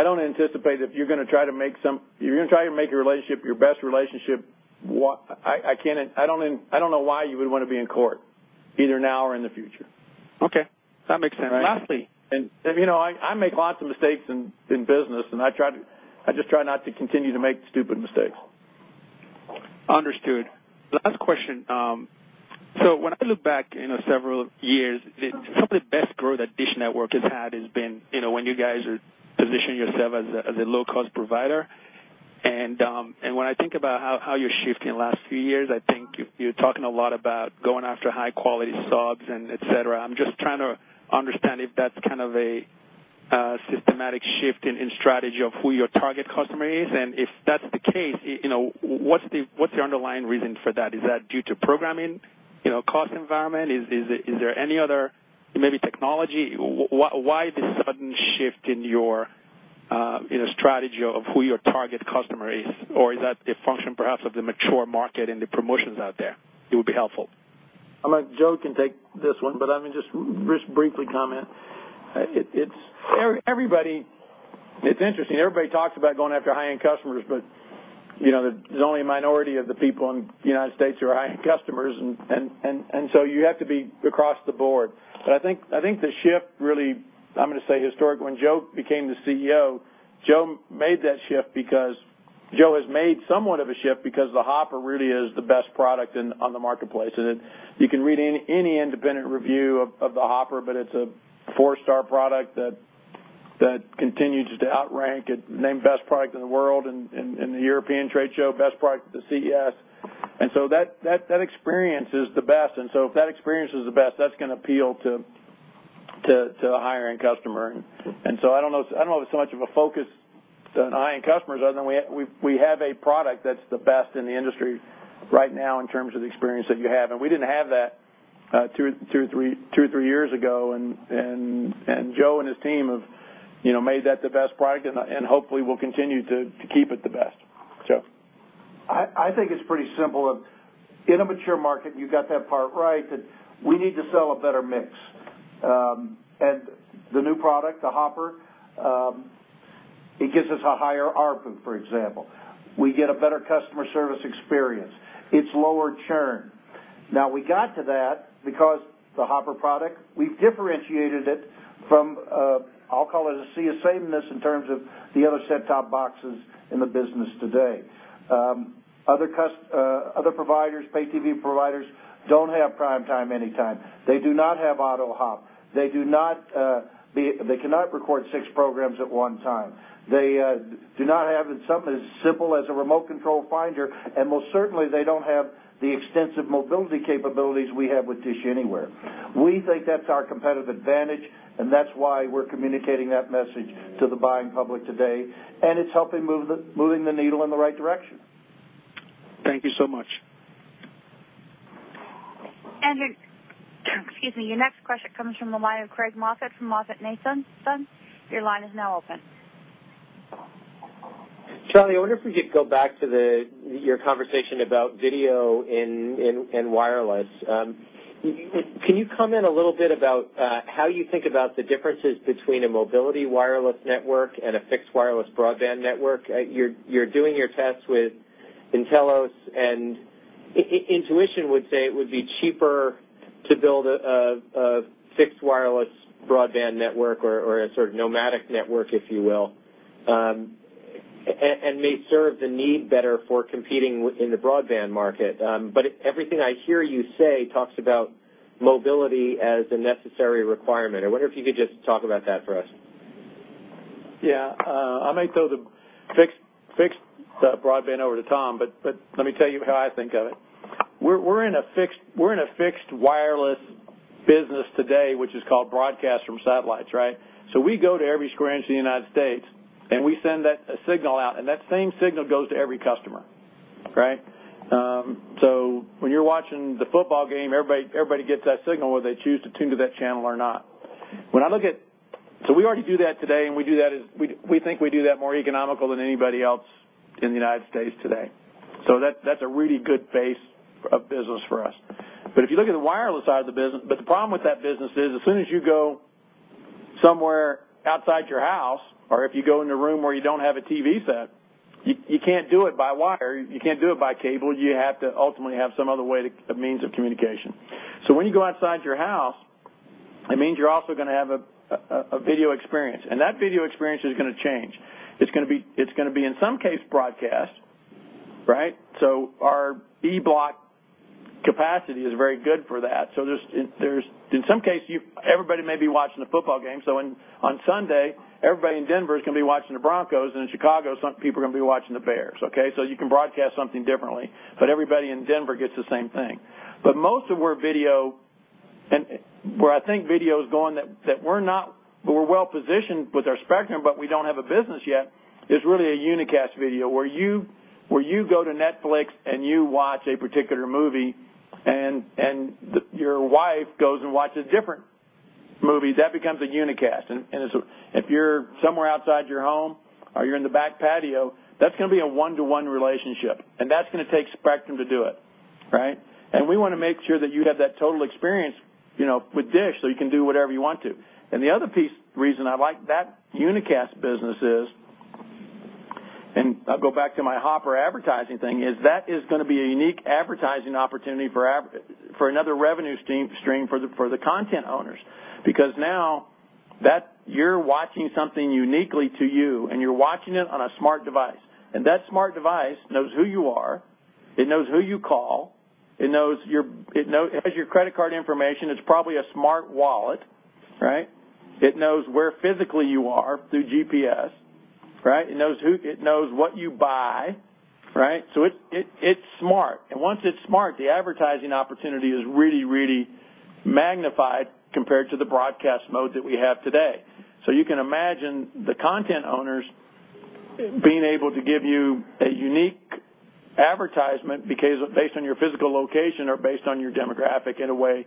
don't anticipate if you're gonna try to make your relationship your best relationship, I don't know why you would wanna be in court, either now or in the future. Okay. That makes sense. Right? Lastly- You know, I make lots of mistakes in business, I just try not to continue to make stupid mistakes. Understood. Last question. When I look back, you know, several years, some of the best growth that DISH Network has had has been, you know, when you guys are positioning yourself as a low-cost provider. When I think about how you're shifting last few years, I think you're talking a lot about going after high quality subs and et cetera. I'm just trying to understand if that's kind of a systematic shift in strategy of who your target customer is. If that's the case, you know, what's the underlying reason for that? Is that due to programming, you know, cost environment? Is there any other, maybe technology? Why the sudden shift in your, you know, strategy of who your target customer is? Is that a function perhaps of the mature market and the promotions out there? It would be helpful. I'm gonna Joe can take this one, but let me just briefly comment. It's everybody, it's interesting everybody talks about going after high-end customers, but you know, there's only a minority of the people in the United States who are high-end customers. You have to be across the board. I think the shift really, I'm gonna say historic, when Joe became the CEO, Joe made that shift because Joe has made somewhat of a shift because the Hopper really is the best product on the marketplace. You can read any independent review of the Hopper, but it's a four star product that continues to outrank. It named best product in the world in the European trade show. Best product at the CES. That experience is the best. If that experience is the best, that's going to appeal to a higher-end customer. I don't know if it's so much of a focus on high-end customers other than we have a product that's the best in the industry right now in terms of the experience that you have. We didn't have that two, three years ago. Joe and his team have, you know, made that the best product and hopefully will continue to keep it the best. Joe. I think it's pretty simple. In a mature market, you got that part right, that we need to sell a better mix. The new product, the Hopper, it gives us a higher ARPU, for example. We get a better customer service experience. It's lower churn. We got to that because the Hopper product, we've differentiated it from, I'll call it a sea of sameness in terms of the other set-top boxes in the business today. Other providers, pay-TV providers don't have PrimeTime Anytime. They do not have AutoHop. They do not, they cannot record six programs at one time. They do not have something as simple as a remote control finder. Most certainly, they don't have the extensive mobility capabilities we have with DISH Anywhere. We think that's our competitive advantage. That's why we're communicating that message to the buying public today. It's helping moving the needle in the right direction. Thank you so much. Excuse me. Your next question comes from the line of Craig Moffett from MoffettNathanson. Charlie, I wonder if we could go back to your conversation about video and wireless. Can you comment a little bit about how you think about the differences between a mobility wireless network and a fixed wireless broadband network? You're doing your tests with nTelos, and intuition would say it would be cheaper to build a fixed wireless broadband network or a sort of nomadic network, if you will, and may serve the need better for competing in the broadband market. Everything I hear you say talks about mobility as a necessary requirement. I wonder if you could just talk about that for us. Yeah. I might throw the fixed broadband over to Tom, but let me tell you how I think of it. We're in a fixed wireless business today, which is called broadcast from satellites, right? We go to every square inch of the United States, and we send that a signal out, and that same signal goes to every customer, right? When you're watching the football game, everybody gets that signal, whether they choose to tune to that channel or not. We already do that today, and we do that we think we do that more economical than anybody else in the United States today. That's a really good base of business for us. If you look at the wireless side of the business, but the problem with that business is as soon as you go somewhere outside your house, or if you go in a room where you don't have a TV set, you can't do it by wire, you can't do it by cable. You have to ultimately have some other way, a means of communication. When you go outside your house, it means you're also gonna have a video experience, and that video experience is gonna change. It's gonna be, in some case, broadcast, right? Our E Block capacity is very good for that. There's in some case, everybody may be watching the football game, on Sunday, everybody in Denver is going to be watching the Broncos, and in Chicago, some people are going to be watching the Bears, okay? You can broadcast something differently, but everybody in Denver gets the same thing. Most of where video and where I think video is going that we're not, but we're well-positioned with our spectrum, but we don't have a business yet, is really a unicast video where you go to Netflix and you watch a particular movie and the, your wife goes and watches a different movie. That becomes a unicast. If you're somewhere outside your home or you're in the back patio, that's going to be a one-to-one relationship, and that's going to take spectrum to do it, right? We wanna make sure that you have that total experience, you know, with DISH, so you can do whatever you want to. The other piece, reason I like that unicast business is, and I'll go back to my Hopper advertising thing, is that is gonna be a unique advertising opportunity for another revenue stream for the content owners. Now that you're watching something uniquely to you and you're watching it on a smart device, and that smart device knows who you are, it knows who you call, it knows your, it knows, it has your credit card information. It's probably a smart wallet, right? It knows where physically you are through GPS, right? It knows what you buy, right? It's smart. Once it's smart, the advertising opportunity is really magnified compared to the broadcast mode that we have today. You can imagine the content owners being able to give you a unique advertisement because based on your physical location or based on your demographic in a way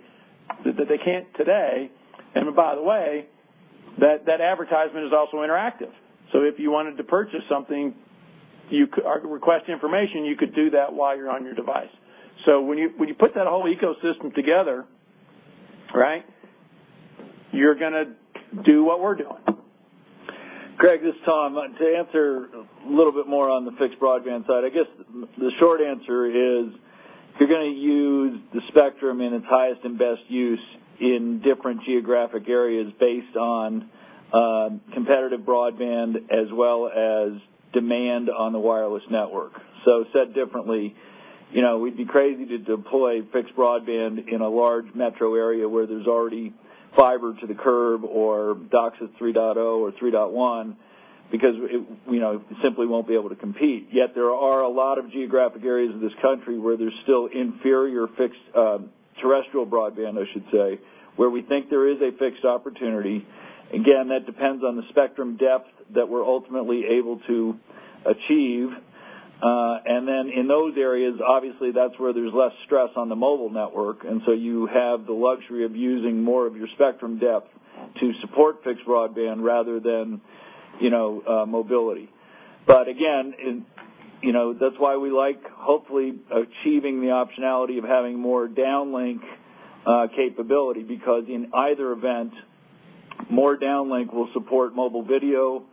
that they can't today. By the way, that advertisement is also interactive. If you wanted to purchase something, you could or request information, you could do that while you're on your device. When you put that whole ecosystem together, right, you're gonna do what we're doing. Craig, this is Tom. To answer a little bit more on the fixed broadband side, I guess the short answer is you're gonna use the spectrum in its highest and best use in different geographic areas based on competitive broadband as well as demand on the wireless network. Said differently, you know, we'd be crazy to deploy fixed broadband in a large metro area where there's already fiber to the curb or DOCSIS 3.0 or 3.1 because it, you know, simply won't be able to compete. There are a lot of geographic areas of this country where there's still inferior fixed, terrestrial broadband, I should say, where we think there is a fixed opportunity. Again, that depends on the spectrum depth that we're ultimately able to achieve. In those areas, obviously, that's where there's less stress on the mobile network, you have the luxury of using more of your spectrum depth to support fixed broadband rather than, you know, mobility. Again, in, you know, that's why we like hopefully achieving the optionality of having more downlink capability because in either event, more downlink will support mobile video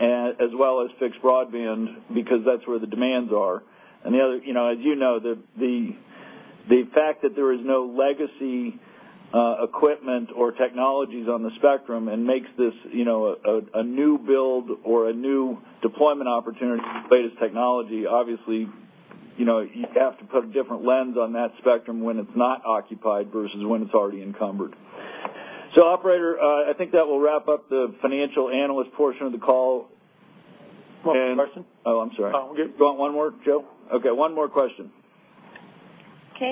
as well as fixed broadband because that's where the demands are. The other, you know, as you know, the fact that there is no legacy equipment or technologies on the spectrum and makes this, you know, a new build or a new deployment opportunity for the latest technology, obviously, you know, you have to put a different lens on that spectrum when it's not occupied versus when it's already encumbered. Operator, I think that will wrap up the financial analyst portion of the call. One more question. Oh, I'm sorry. Oh, we're good. You want one more, Joe? Okay, one more question.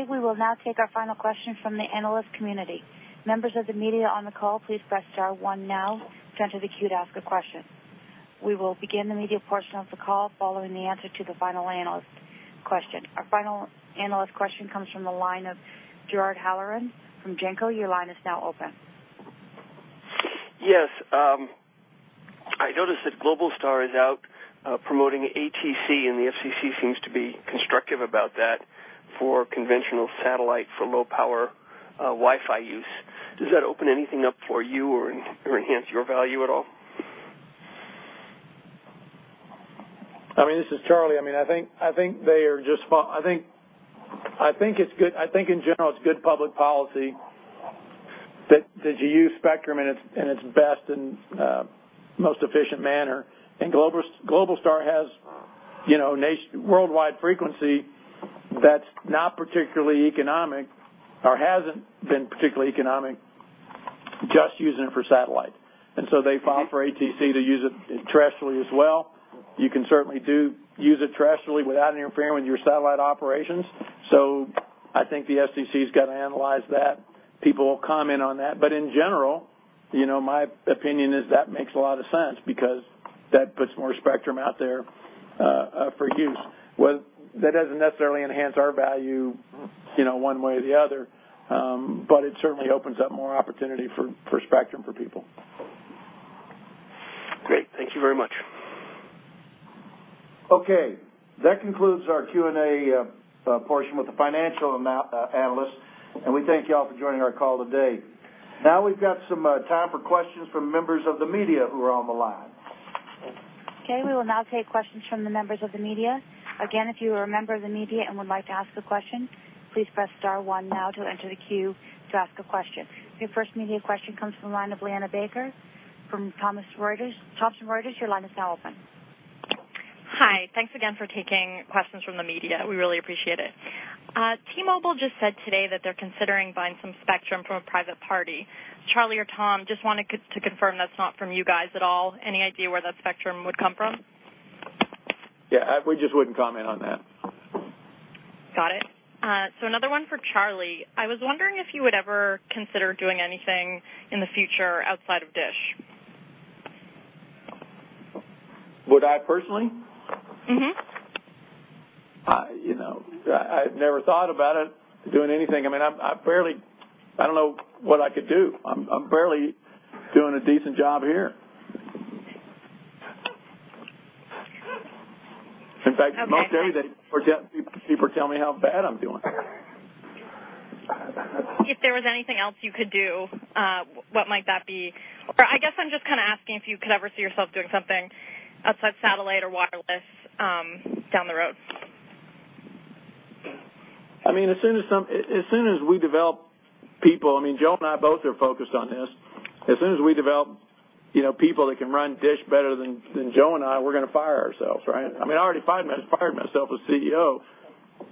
We will now take our final question from the analyst community. Members of the media on the call, please press star one now to enter the queue to ask a question. We will begin the media portion of the call following the answer to the final analyst question. Our final analyst question comes from the line of Gerard Halleran from Janco. Your line is now open. Yes. I noticed that Globalstar is out promoting ATC, the FCC seems to be constructive about that for conventional satellite for low power Wi-Fi use. Does that open anything up for you or enhance your value at all? I mean, this is Charlie. I mean, I think in general it's good public policy that you use spectrum in its best and most efficient manner. Globalstar has, you know, worldwide frequency that's not particularly economic or hasn't been particularly economic just using it for satellite. They filed for ATC to use it terrestrially as well. You can certainly use it terrestrially without interfering with your satellite operations. I think the FCC's gotta analyze that. People will comment on that. In general, you know, my opinion is that makes a lot of sense because that puts more spectrum out there for use. That doesn't necessarily enhance our value, you know, one way or the other, but it certainly opens up more opportunity for spectrum for people. Great. Thank you very much. Okay. That concludes our Q&A portion with the financial analysts. We thank you all for joining our call today. Now we've got some time for questions from members of the media who are on the line. Okay, we will now take questions from the members of the media. Again, if you are a member of the media and would like to ask a question, please press star one now to enter the queue to ask a question. Your first media question comes from the line of Liana Baker from Thomson Reuters. Your line is now open. Hi. Thanks again for taking questions from the media. We really appreciate it. T-Mobile just said today that they're considering buying some spectrum from a private party. Charlie or Tom, just wanted to confirm that's not from you guys at all. Any idea where that spectrum would come from? Yeah, we just wouldn't comment on that. Got it. Another one for Charlie. I was wondering if you would ever consider doing anything in the future outside of DISH? Would I personally? I, you know, I've never thought about it, doing anything. I mean, I barely don't know what I could do. I'm barely doing a decent job here. Okay. Most days people tell me how bad I'm doing. If there was anything else you could do, what might that be? I guess I'm just kind of asking if you could ever see yourself doing something outside satellite or wireless, down the road. I mean, as soon as we develop people, I mean, Joe and I both are focused on this. As soon as we develop, you know, people that can run DISH better than Joe and I, we're gonna fire ourselves, right? I mean, I already fired myself as CEO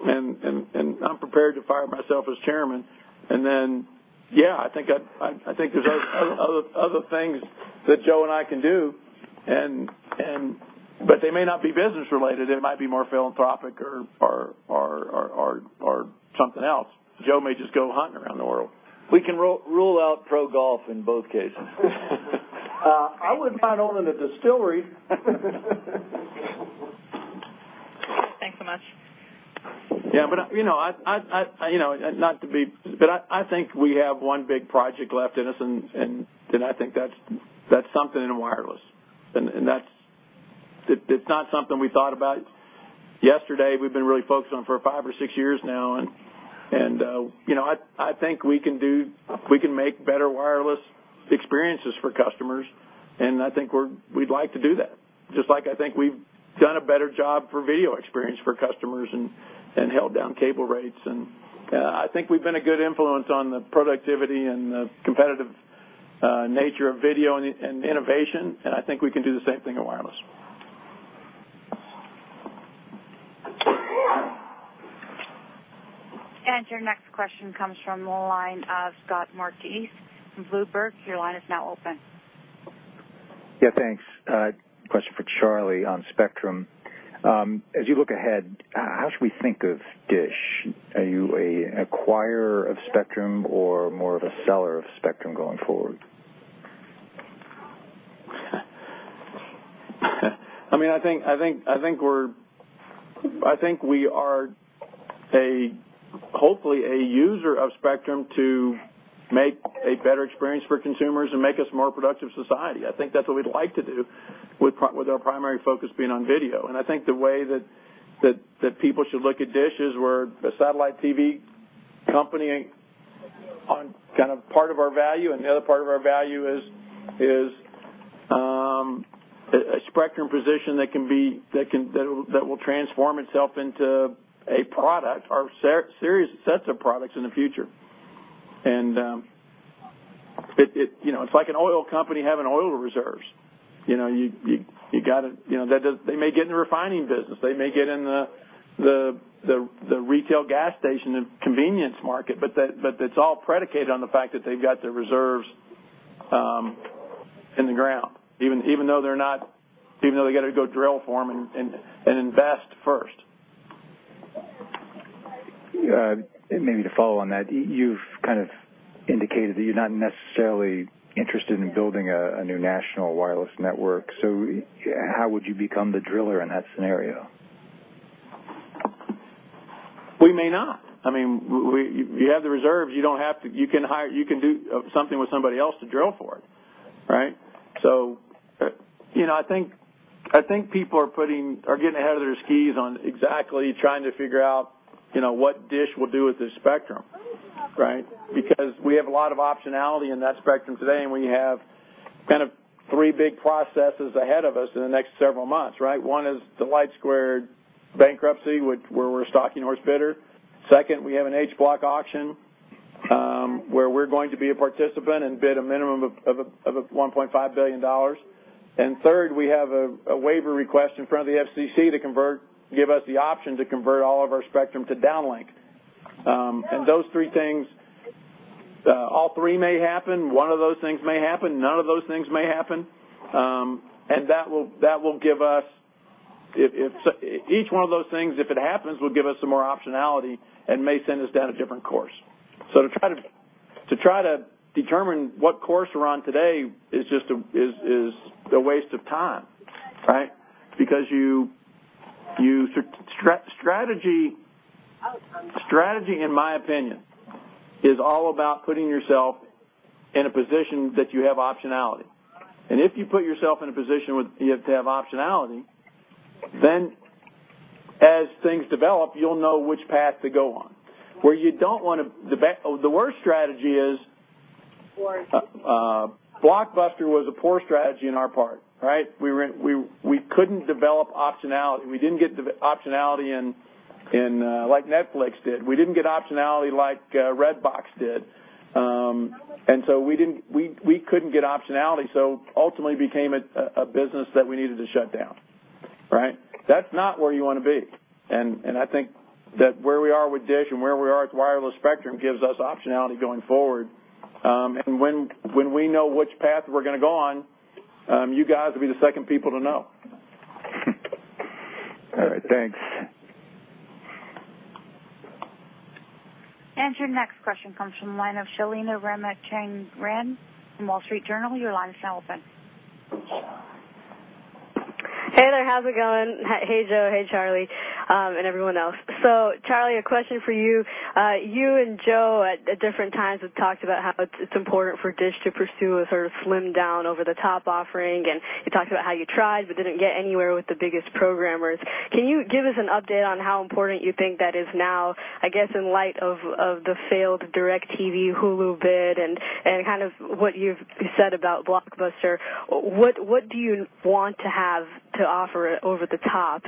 and I'm prepared to fire myself as chairman. Yeah, I think I think there's other things that Joe and I can do but they may not be business related. It might be more philanthropic or something else. Joe may just go hunting around the world. We can rule out pro golf in both cases. I wouldn't mind owning a distillery. Thanks so much. I, you know, I think we have one big project left in us, I think that's something in wireless. It's not something we thought about yesterday. We've been really focused on it for five or six years now, you know, I think we can make better wireless experiences for customers, and I think we'd like to do that, just like I think we've done a better job for video experience for customers and held down cable rates. I think we've been a good influence on the productivity and the competitive nature of video and innovation, and I think we can do the same thing in wireless. Your next question comes from the line of Scott Moritz from Bloomberg. Your line is now open. Yeah, thanks. Question for Charlie on spectrum. As you look ahead, how should we think of DISH? Are you a acquirer of spectrum or more of a seller of spectrum going forward? I mean, I think we are a, hopefully a user of spectrum to make a better experience for consumers and make us a more productive society. I think that's what we'd like to do with our primary focus being on video. I think the way that people should look at DISH is we're a satellite TV company on kind of part of our value, and the other part of our value is a spectrum position that will transform itself into a product or serious sets of products in the future. You know, it's like an oil company having oil reserves. You know, you gotta, you know, They may get in the refining business. They may get in the retail gas station and convenience market, but it's all predicated on the fact that they've got the reserves in the ground, even though they gotta go drill for them and invest first. Maybe to follow on that, you've kind of indicated that you're not necessarily interested in building a new national wireless network. How would you become the driller in that scenario? We may not. I mean, you have the reserves, you can do something with somebody else to drill for it, right? You know, I think people are getting ahead of their skis on exactly trying to figure out, you know, what DISH will do with this spectrum, right? Because we have a lot of optionality in that spectrum today, and we have kind of three big processes ahead of us in the next several months, right? One is the LightSquared bankruptcy, where we're a stalking horse bidder. Second, we have an H Block auction, where we're going to be a participant and bid a minimum of a $1.5 billion. Third, we have a waiver request in front of the FCC to give us the option to convert all of our spectrum to downlink. Those three things, all three may happen, one of those things may happen, none of those things may happen. That will give us, if each one of those things, if it happens, will give us some more optionality and may send us down a different course. To try to determine what course we're on today is just a waste of time, right? Because you, in my opinion, strategy is all about putting yourself in a position that you have optionality. If you put yourself in a position, you have to have optionality, then as things develop, you'll know which path to go on. The worst strategy is Blockbuster was a poor strategy on our part, right? We couldn't develop optionality. We didn't get optionality in, like Netflix did. We didn't get optionality like Redbox did. We couldn't get optionality, so ultimately became a business that we needed to shut down, right? That's not where you want to be. I think that where we are with DISH and where we are with wireless spectrum gives us optionality going forward. When we know which path we're going to go on, you guys will be the second people to know. All right, thanks. Your next question comes from the line of Shalini Ramachandran from Wall Street Journal. Your line is now open. Hey there. How's it going? Hey Joe, hey Charlie, and everyone else. Charlie, a question for you. You and Joe at different times have talked about how it's important for DISH to pursue a sort of slimmed down over-the-top offering, and you talked about how you tried but didn't get anywhere with the biggest programmers. Can you give us an update on how important you think that is now, I guess in light of the failed DirecTV, Hulu bid and kind of what you've said about Blockbuster? What do you want to have to offer over the top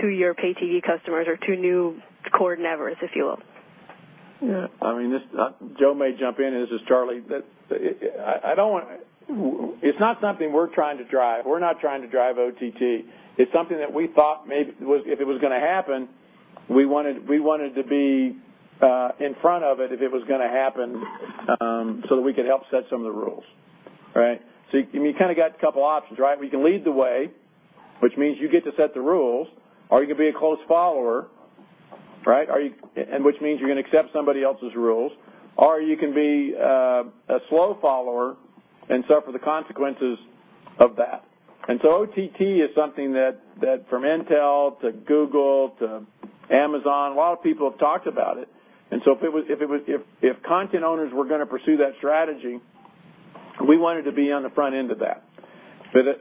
to your pay-TV customers or to new cord-nevers, if you will? Yeah. I mean, this, Joe may jump in, and this is Charlie. It's not something we're trying to drive. We're not trying to drive OTT. It's something that we thought maybe was, if it was gonna happen, we wanted to be in front of it if it was gonna happen, so that we could help set some of the rules, right? You, and you kinda got a couple options, right? You can lead the way, which means you get to set the rules, or you could be a close follower, right? Which means you're gonna accept somebody else's rules. You can be a slow follower and suffer the consequences of that. OTT is something that from Intel to Google to Amazon, a lot of people have talked about it. If content owners were gonna pursue that strategy, we wanted to be on the front end of that.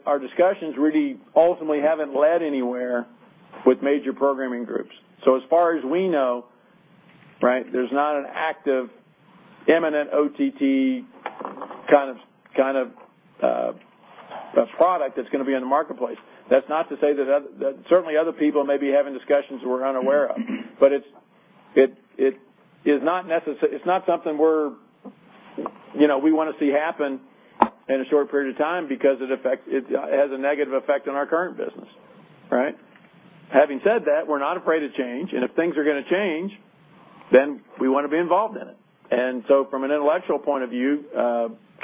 Our discussions really ultimately haven't led anywhere with major programming groups. As far as we know, right, there's not an active, imminent OTT kind of a product that's gonna be in the marketplace. That's not to say that certainly other people may be having discussions we're unaware of. It is not something we're, you know, we wanna see happen in a short period of time because it has a negative effect on our current business, right? Having said that, we're not afraid of change, and if things are gonna change, then we wanna be involved in it. From an intellectual point of view,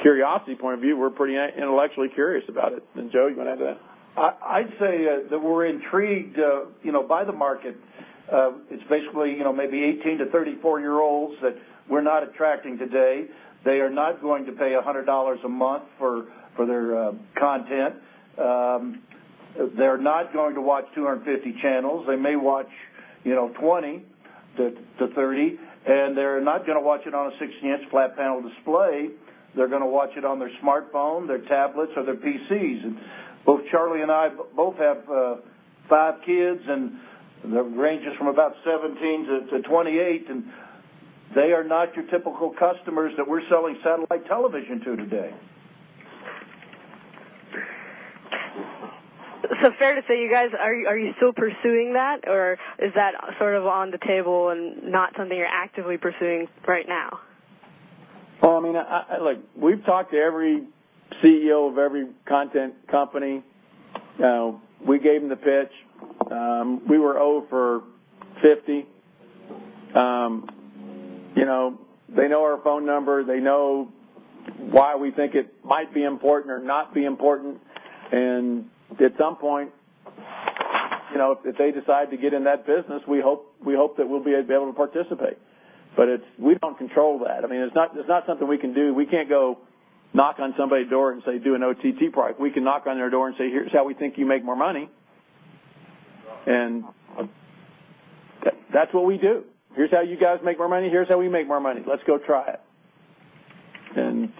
curiosity point of view, we're pretty intellectually curious about it. Joe, you wanna add to that? I'd say that we're intrigued, you know, by the market. It's basically, you know, maybe 18 to 34 year olds that we're not attracting today. They are not going to pay $100 a month for their content. They're not going to watch 250 channels. They may watch, you know, 20 to 30. They're not gonna watch it on a 16-inch flat panel display. They're gonna watch it on their smartphone, their tablets or their PCs. Both Charlie and I both have five kids and that ranges from about 17 to 28, and they are not your typical customers that we're selling satellite television to today. Fair to say you guys, are you still pursuing that? Or is that sort of on the table and not something you're actively pursuing right now? Well, I mean, I Look, we've talked to every CEO of every content company. You know, we gave them the pitch. We were over 50. You know, they know our phone number. They know why we think it might be important or not be important. At some point, you know, if they decide to get in that business, we hope that we'll be able to participate. It's, we don't control that. I mean, it's not something we can do. We can't go knock on somebody's door and say, do an OTT product. We can knock on their door and say, here's how we think you make more money. That's what we do. Here's how you guys make more money. Here's how we make more money. Let's go try it.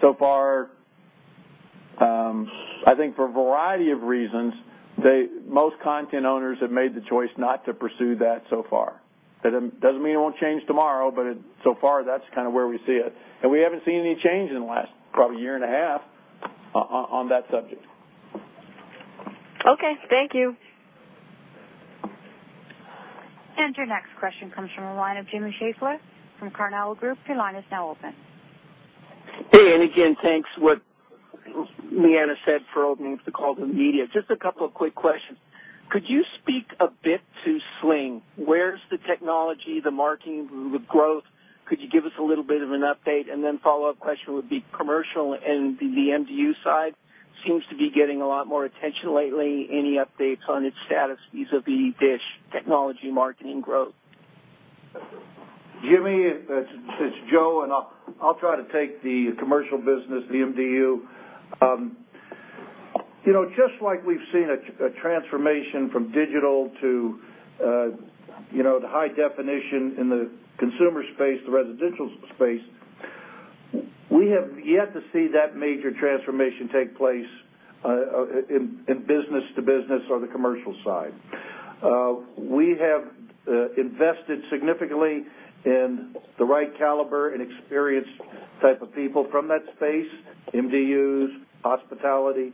So far, I think for a variety of reasons, they, most content owners have made the choice not to pursue that so far. It doesn't mean it won't change tomorrow, but it, so far, that's kind of where we see it. We haven't seen any change in the last probably year and a half on that subject. Okay. Thank you. Your next question comes from the line of Jimmy Schaeffler from Carmel Group. Your line is now open. Hey, again, thanks what Liana said for opening up the call to the media. Just a couple of quick questions. Could you speak a bit to Sling? Where's the technology, the marketing, the growth? Could you give us a little bit of an update? Then follow-up question would be commercial and the MDU side seems to be getting a lot more attention lately. Any updates on its status vis-à-vis DISH technology marketing growth? Jimmy, it's Joe. I'll try to take the commercial business, the MDU. You know, just like we've seen a transformation from digital to, you know, the high definition in the consumer space, the residential space, we have yet to see that major transformation take place in business to business or the commercial side. We have invested significantly in the right caliber and experienced type of people from that space, MDUs, hospitality.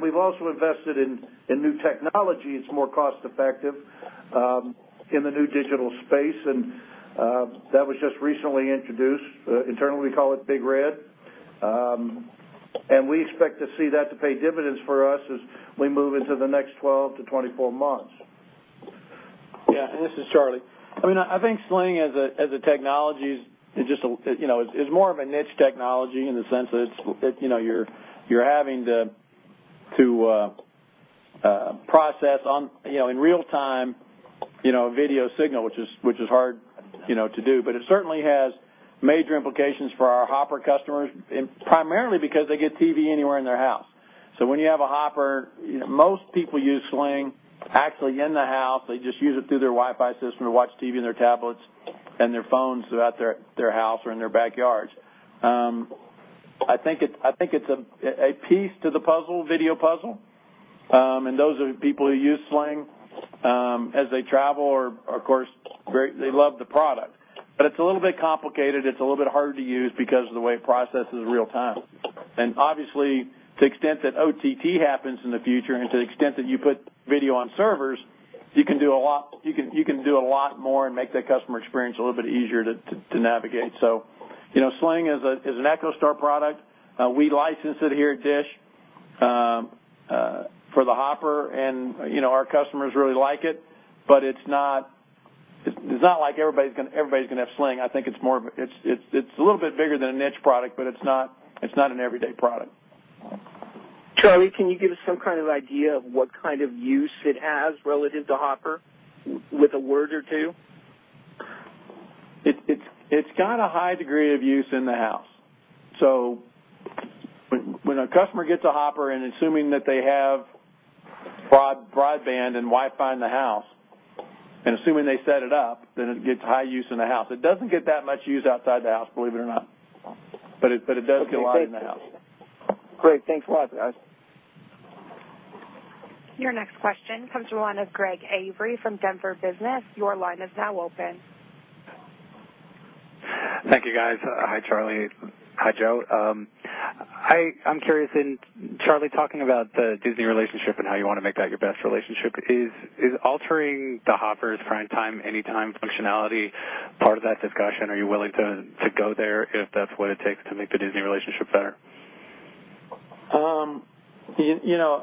We've also invested in new technologies more cost effective in the new digital space. That was just recently introduced. Internally, we call it Big Red. We expect to see that to pay dividends for us as we move into the next 12 to 24 months. Yeah, and this is Charlie. I mean, I think Sling as a technology is just you know, is more of a niche technology in the sense that it's, you know, you're having to process on, you know, in real time, a video signal which is hard, you know, to do. It certainly has major implications for our Hopper customers and primarily because they get TV anywhere in their house. When you have a Hopper, most people use Sling actually in the house. They just use it through their Wi-Fi system to watch TV on their tablets and their phones throughout their house or in their backyards. I think it's a piece to the puzzle, video puzzle, and those are people who use Sling as they travel are of course very They love the product. It's a little bit complicated. It's a little bit harder to use because of the way it processes real time. Obviously, to the extent that OTT happens in the future and to the extent that you put video on servers, you can do a lot more and make that customer experience a little bit easier to navigate. You know, Sling is an EchoStar product. We license it here at DISH for the Hopper and, you know, our customers really like it, but it's not like everybody's gonna have Sling. I think It's a little bit bigger than a niche product, but it's not, it's not an everyday product. Charlie, can you give us some kind of idea of what kind of use it has relative to Hopper with a word or two? It's got a high degree of use in the house. When a customer gets a Hopper and assuming that they have broadband and Wi-Fi in the house, and assuming they set it up, then it gets high use in the house. It doesn't get that much use outside the house, believe it or not, but it does get a lot in the house. Great. Thanks a lot, guys. Your next question comes from the line of Greg Avery from Denver Business. Your line is now open. Thank you, guys. Hi, Charlie. Hi, Joe. I'm curious in Charlie talking about the Disney relationship and how you wanna make that your best relationship. Is altering the Hopper's PrimeTime Anytime functionality part of that discussion? Are you willing to go there if that's what it takes to make the Disney relationship better? You, you know,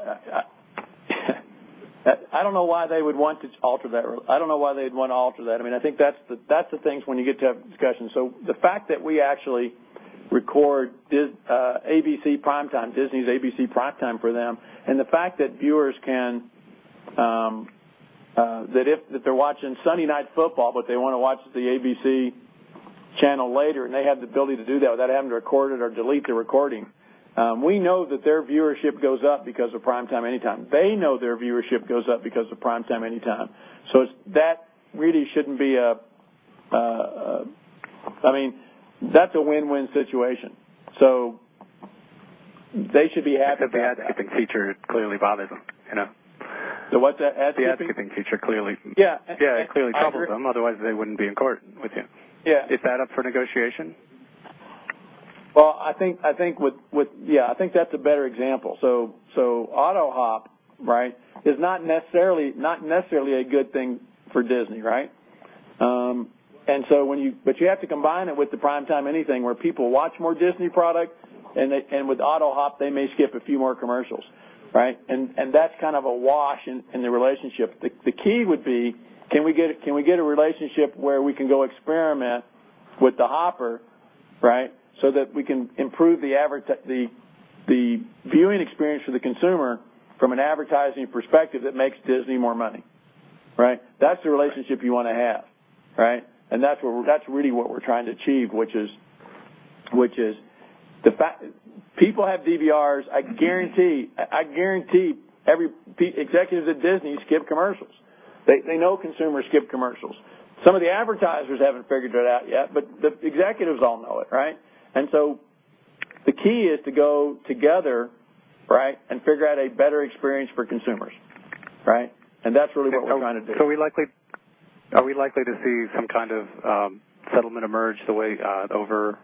I don't know why they would want to alter that. I don't know why they'd wanna alter that. I mean, I think that's the things when you get to have discussions. The fact that we actually record ABC PrimeTime, Disney's ABC PrimeTime for them, and the fact that viewers can, that they're watching Sunday Night Football, but they wanna watch the ABC channel later, and they have the ability to do that without having to record it or delete the recording, we know that their viewership goes up because of PrimeTime Anytime. They know their viewership goes up because of PrimeTime Anytime. It's that really shouldn't be a I mean, that's a win-win situation. They should be happy about that. The ad-skipping feature clearly bothers them, you know? The what? The ad-skipping? The ad-skipping feature clearly- Yeah. Yeah, it clearly troubles them, otherwise they wouldn't be in court with you. Yeah. Is that up for negotiation? I think that's a better example. AutoHop, right? Is not necessarily a good thing for Disney, right? You have to combine it with the PrimeTime Anytime, where people watch more Disney product, and with AutoHop, they may skip a few more commercials, right? That's kind of a wash in the relationship. The key would be, can we get a relationship where we can go experiment with the Hopper, right? That we can improve the viewing experience for the consumer from an advertising perspective that makes Disney more money, right? That's the relationship you want to have, right? That's really what we're trying to achieve, which is the fact- people have DVRs. I guarantee every executives at Disney skip commercials. They know consumers skip commercials. Some of the advertisers haven't figured it out yet, but the executives all know it, right? The key is to go together, right? Figure out a better experience for consumers, right? That's really what we're trying to do. Are we likely to see some kind of settlement emerge the way over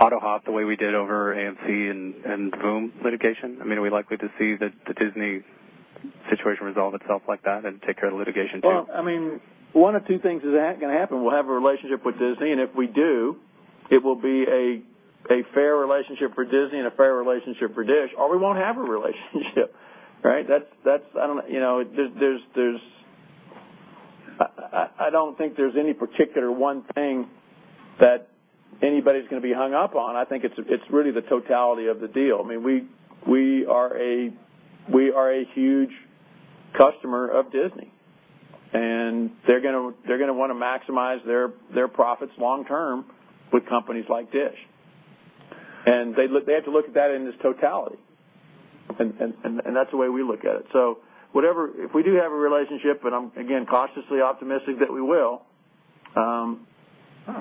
AutoHop the way we did over AMC and Voom! litigation? I mean, are we likely to see the Disney situation resolve itself like that and take care of the litigation too? Well, I mean, one of two things is gonna happen. We'll have a relationship with Disney, and if we do, it will be a fair relationship for Disney and a fair relationship for DISH, or we won't have a relationship. Right? That's I don't know, you know, there's I don't think there's any particular one thing that anybody's gonna be hung up on. I think it's really the totality of the deal. I mean, we are a huge customer of Disney, and they're gonna wanna maximize their profits long term with companies like DISH. They have to look at that in its totality. That's the way we look at it. Whatever If we do have a relationship, and I'm again cautiously optimistic that we will,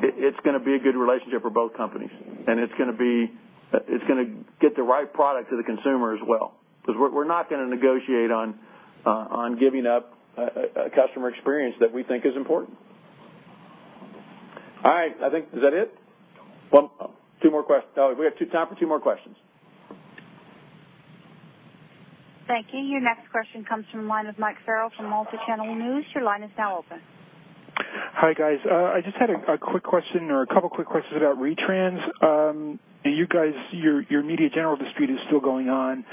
it's gonna be a good relationship for both companies, and it's gonna get the right product to the consumer as well. We're not gonna negotiate on giving up a customer experience that we think is important. All right. I think Is that it? One, two more. Oh, we have two time for two more questions. Thank you. Your next question comes from the line of Mike Farrell from Multichannel News. Your line is now open. Hi, guys. I just had a quick question or a couple quick questions about retrans. You guys, your Media General dispute is still going on,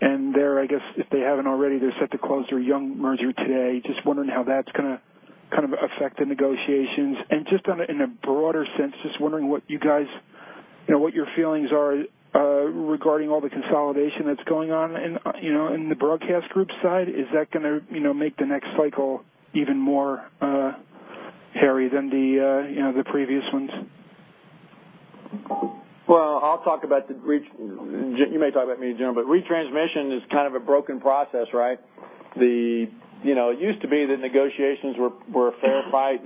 and they're, I guess if they haven't already, they're set to close their Young Broadcasting merger today. Just wondering how that's gonna kind of affect the negotiations? Just on a, in a broader sense, just wondering what you guys, you know, what your feelings are regarding all the consolidation that's going on in, you know, in the broadcast group side? Is that gonna, you know, make the next cycle even more hairy than the, you know, the previous ones? Well, you may talk about Media General, but retransmission is kind of a broken process, right? You know, it used to be that negotiations were fair fight.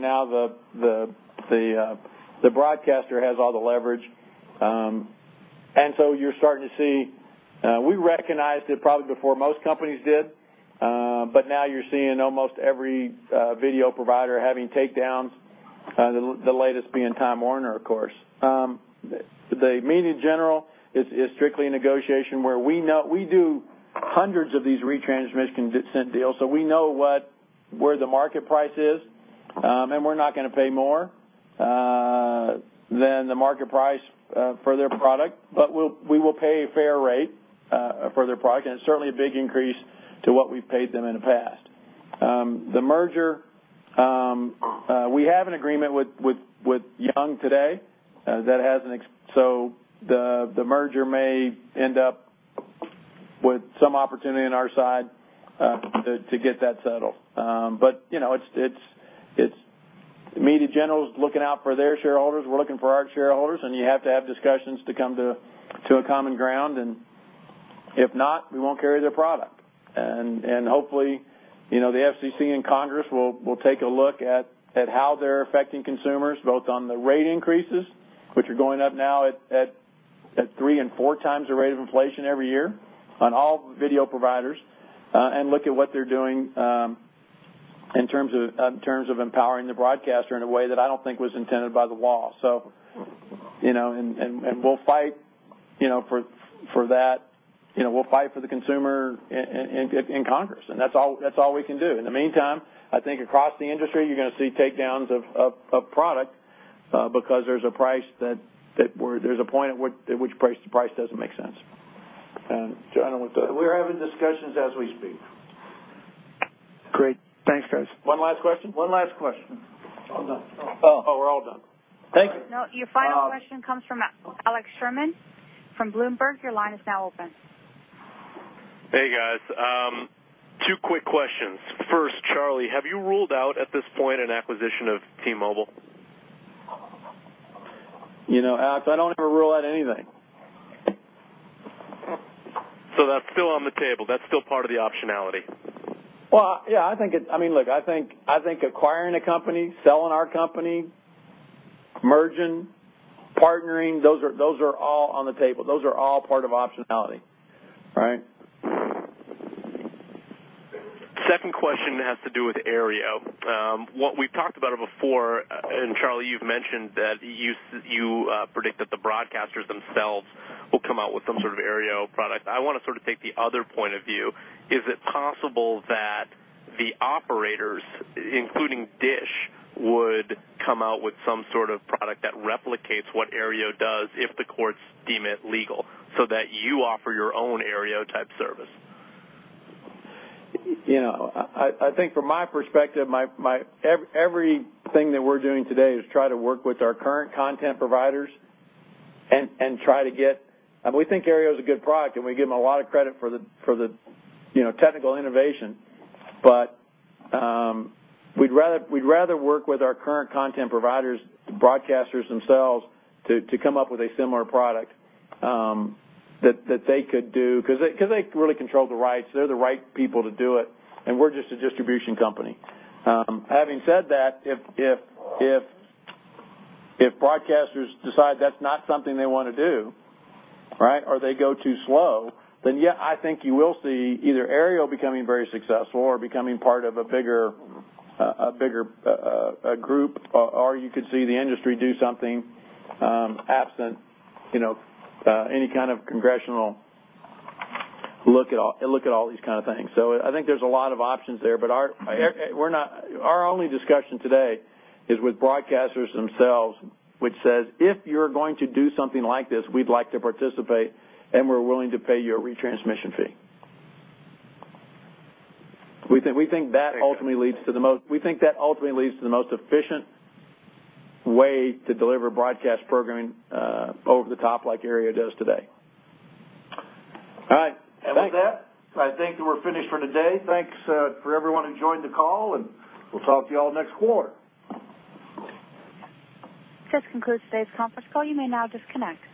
The broadcaster has all the leverage. You're starting to see. We recognized it probably before most companies did, now you're seeing almost every video provider having takedowns, the latest being Time Warner, of course. The Media General is strictly a negotiation where we know we do hundreds of these retransmission consent deals, we know what, where the market price is, we're not gonna pay more than the market price for their product. We will pay a fair rate for their product, and it's certainly a big increase to what we've paid them in the past. The merger, we have an agreement with Young today, that has so the merger may end up with some opportunity on our side, to get that settled. You know, it's Media General's looking out for their shareholders, we're looking for our shareholders, and you have to have discussions to come to a common ground, and if not, we won't carry their product. Hopefully, you know, the FCC and Congress will take a look at how they're affecting consumers, both on the rate increases, which are going up now at three and four times the rate of inflation every year on all video providers, and look at what they're doing in terms of empowering the broadcaster in a way that I don't think was intended by the law. We'll fight, you know, for that. You know, we'll fight for the consumer in Congress, and that's all we can do. In the meantime, I think across the industry you're gonna see takedowns of product, because there's a price that we're there's a point at which price, the price doesn't make sense. Joe, I don't want to. We're having discussions as we speak. Great. Thanks, guys. One last question? One last question. All done. Oh. Oh, we're all done. Thank you. No, your final question comes from Alex Sherman from Bloomberg. Hey, guys. two quick questions. First, Charlie, have you ruled out at this point an acquisition of T-Mobile? You know, Alex, I don't ever rule out anything. That's still on the table. That's still part of the optionality. Well, yeah, I think it's I mean, look, I think acquiring a company, selling our company, merging, partnering, those are all on the table. Those are all part of optionality, right? Second question has to do with Aereo. What we've talked about it before, and Charlie, you've mentioned that you predict that the broadcasters themselves will come out with some sort of Aereo product. I wanna sort of take the other point of view. Is it possible that the operators, including DISH, would come out with some sort of product that replicates what Aereo does if the courts deem it legal, so that you offer your own Aereo type service? You know, I think from my perspective, everything that we're doing today is try to work with our current content providers and try to get. I mean, we think Aereo is a good product, and we give them a lot of credit for the, you know, technical innovation. We'd rather work with our current content providers, broadcasters themselves to come up with a similar product that they could do, 'cause they really control the rights. They're the right people to do it, and we're just a distribution company. Having said that, if broadcasters decide that's not something they wanna do, right, or they go too slow, then yeah, I think you will see either Aereo becoming very successful or becoming part of a bigger group, or you could see the industry do something, absent, you know, any kind of congressional look at all these kind of things. I think there's a lot of options there, but our only discussion today is with broadcasters themselves, which says, if you're going to do something like this, we'd like to participate, and we're willing to pay you a retransmission fee. We think that ultimately leads to the most- Thank you. We think that ultimately leads to the most efficient way to deliver broadcast programming, over-the-top like Aereo does today. All right. Thanks. With that, I think we're finished for today. Thanks for everyone who joined the call. We'll talk to you all next quarter. This concludes today's conference call. You may now disconnect.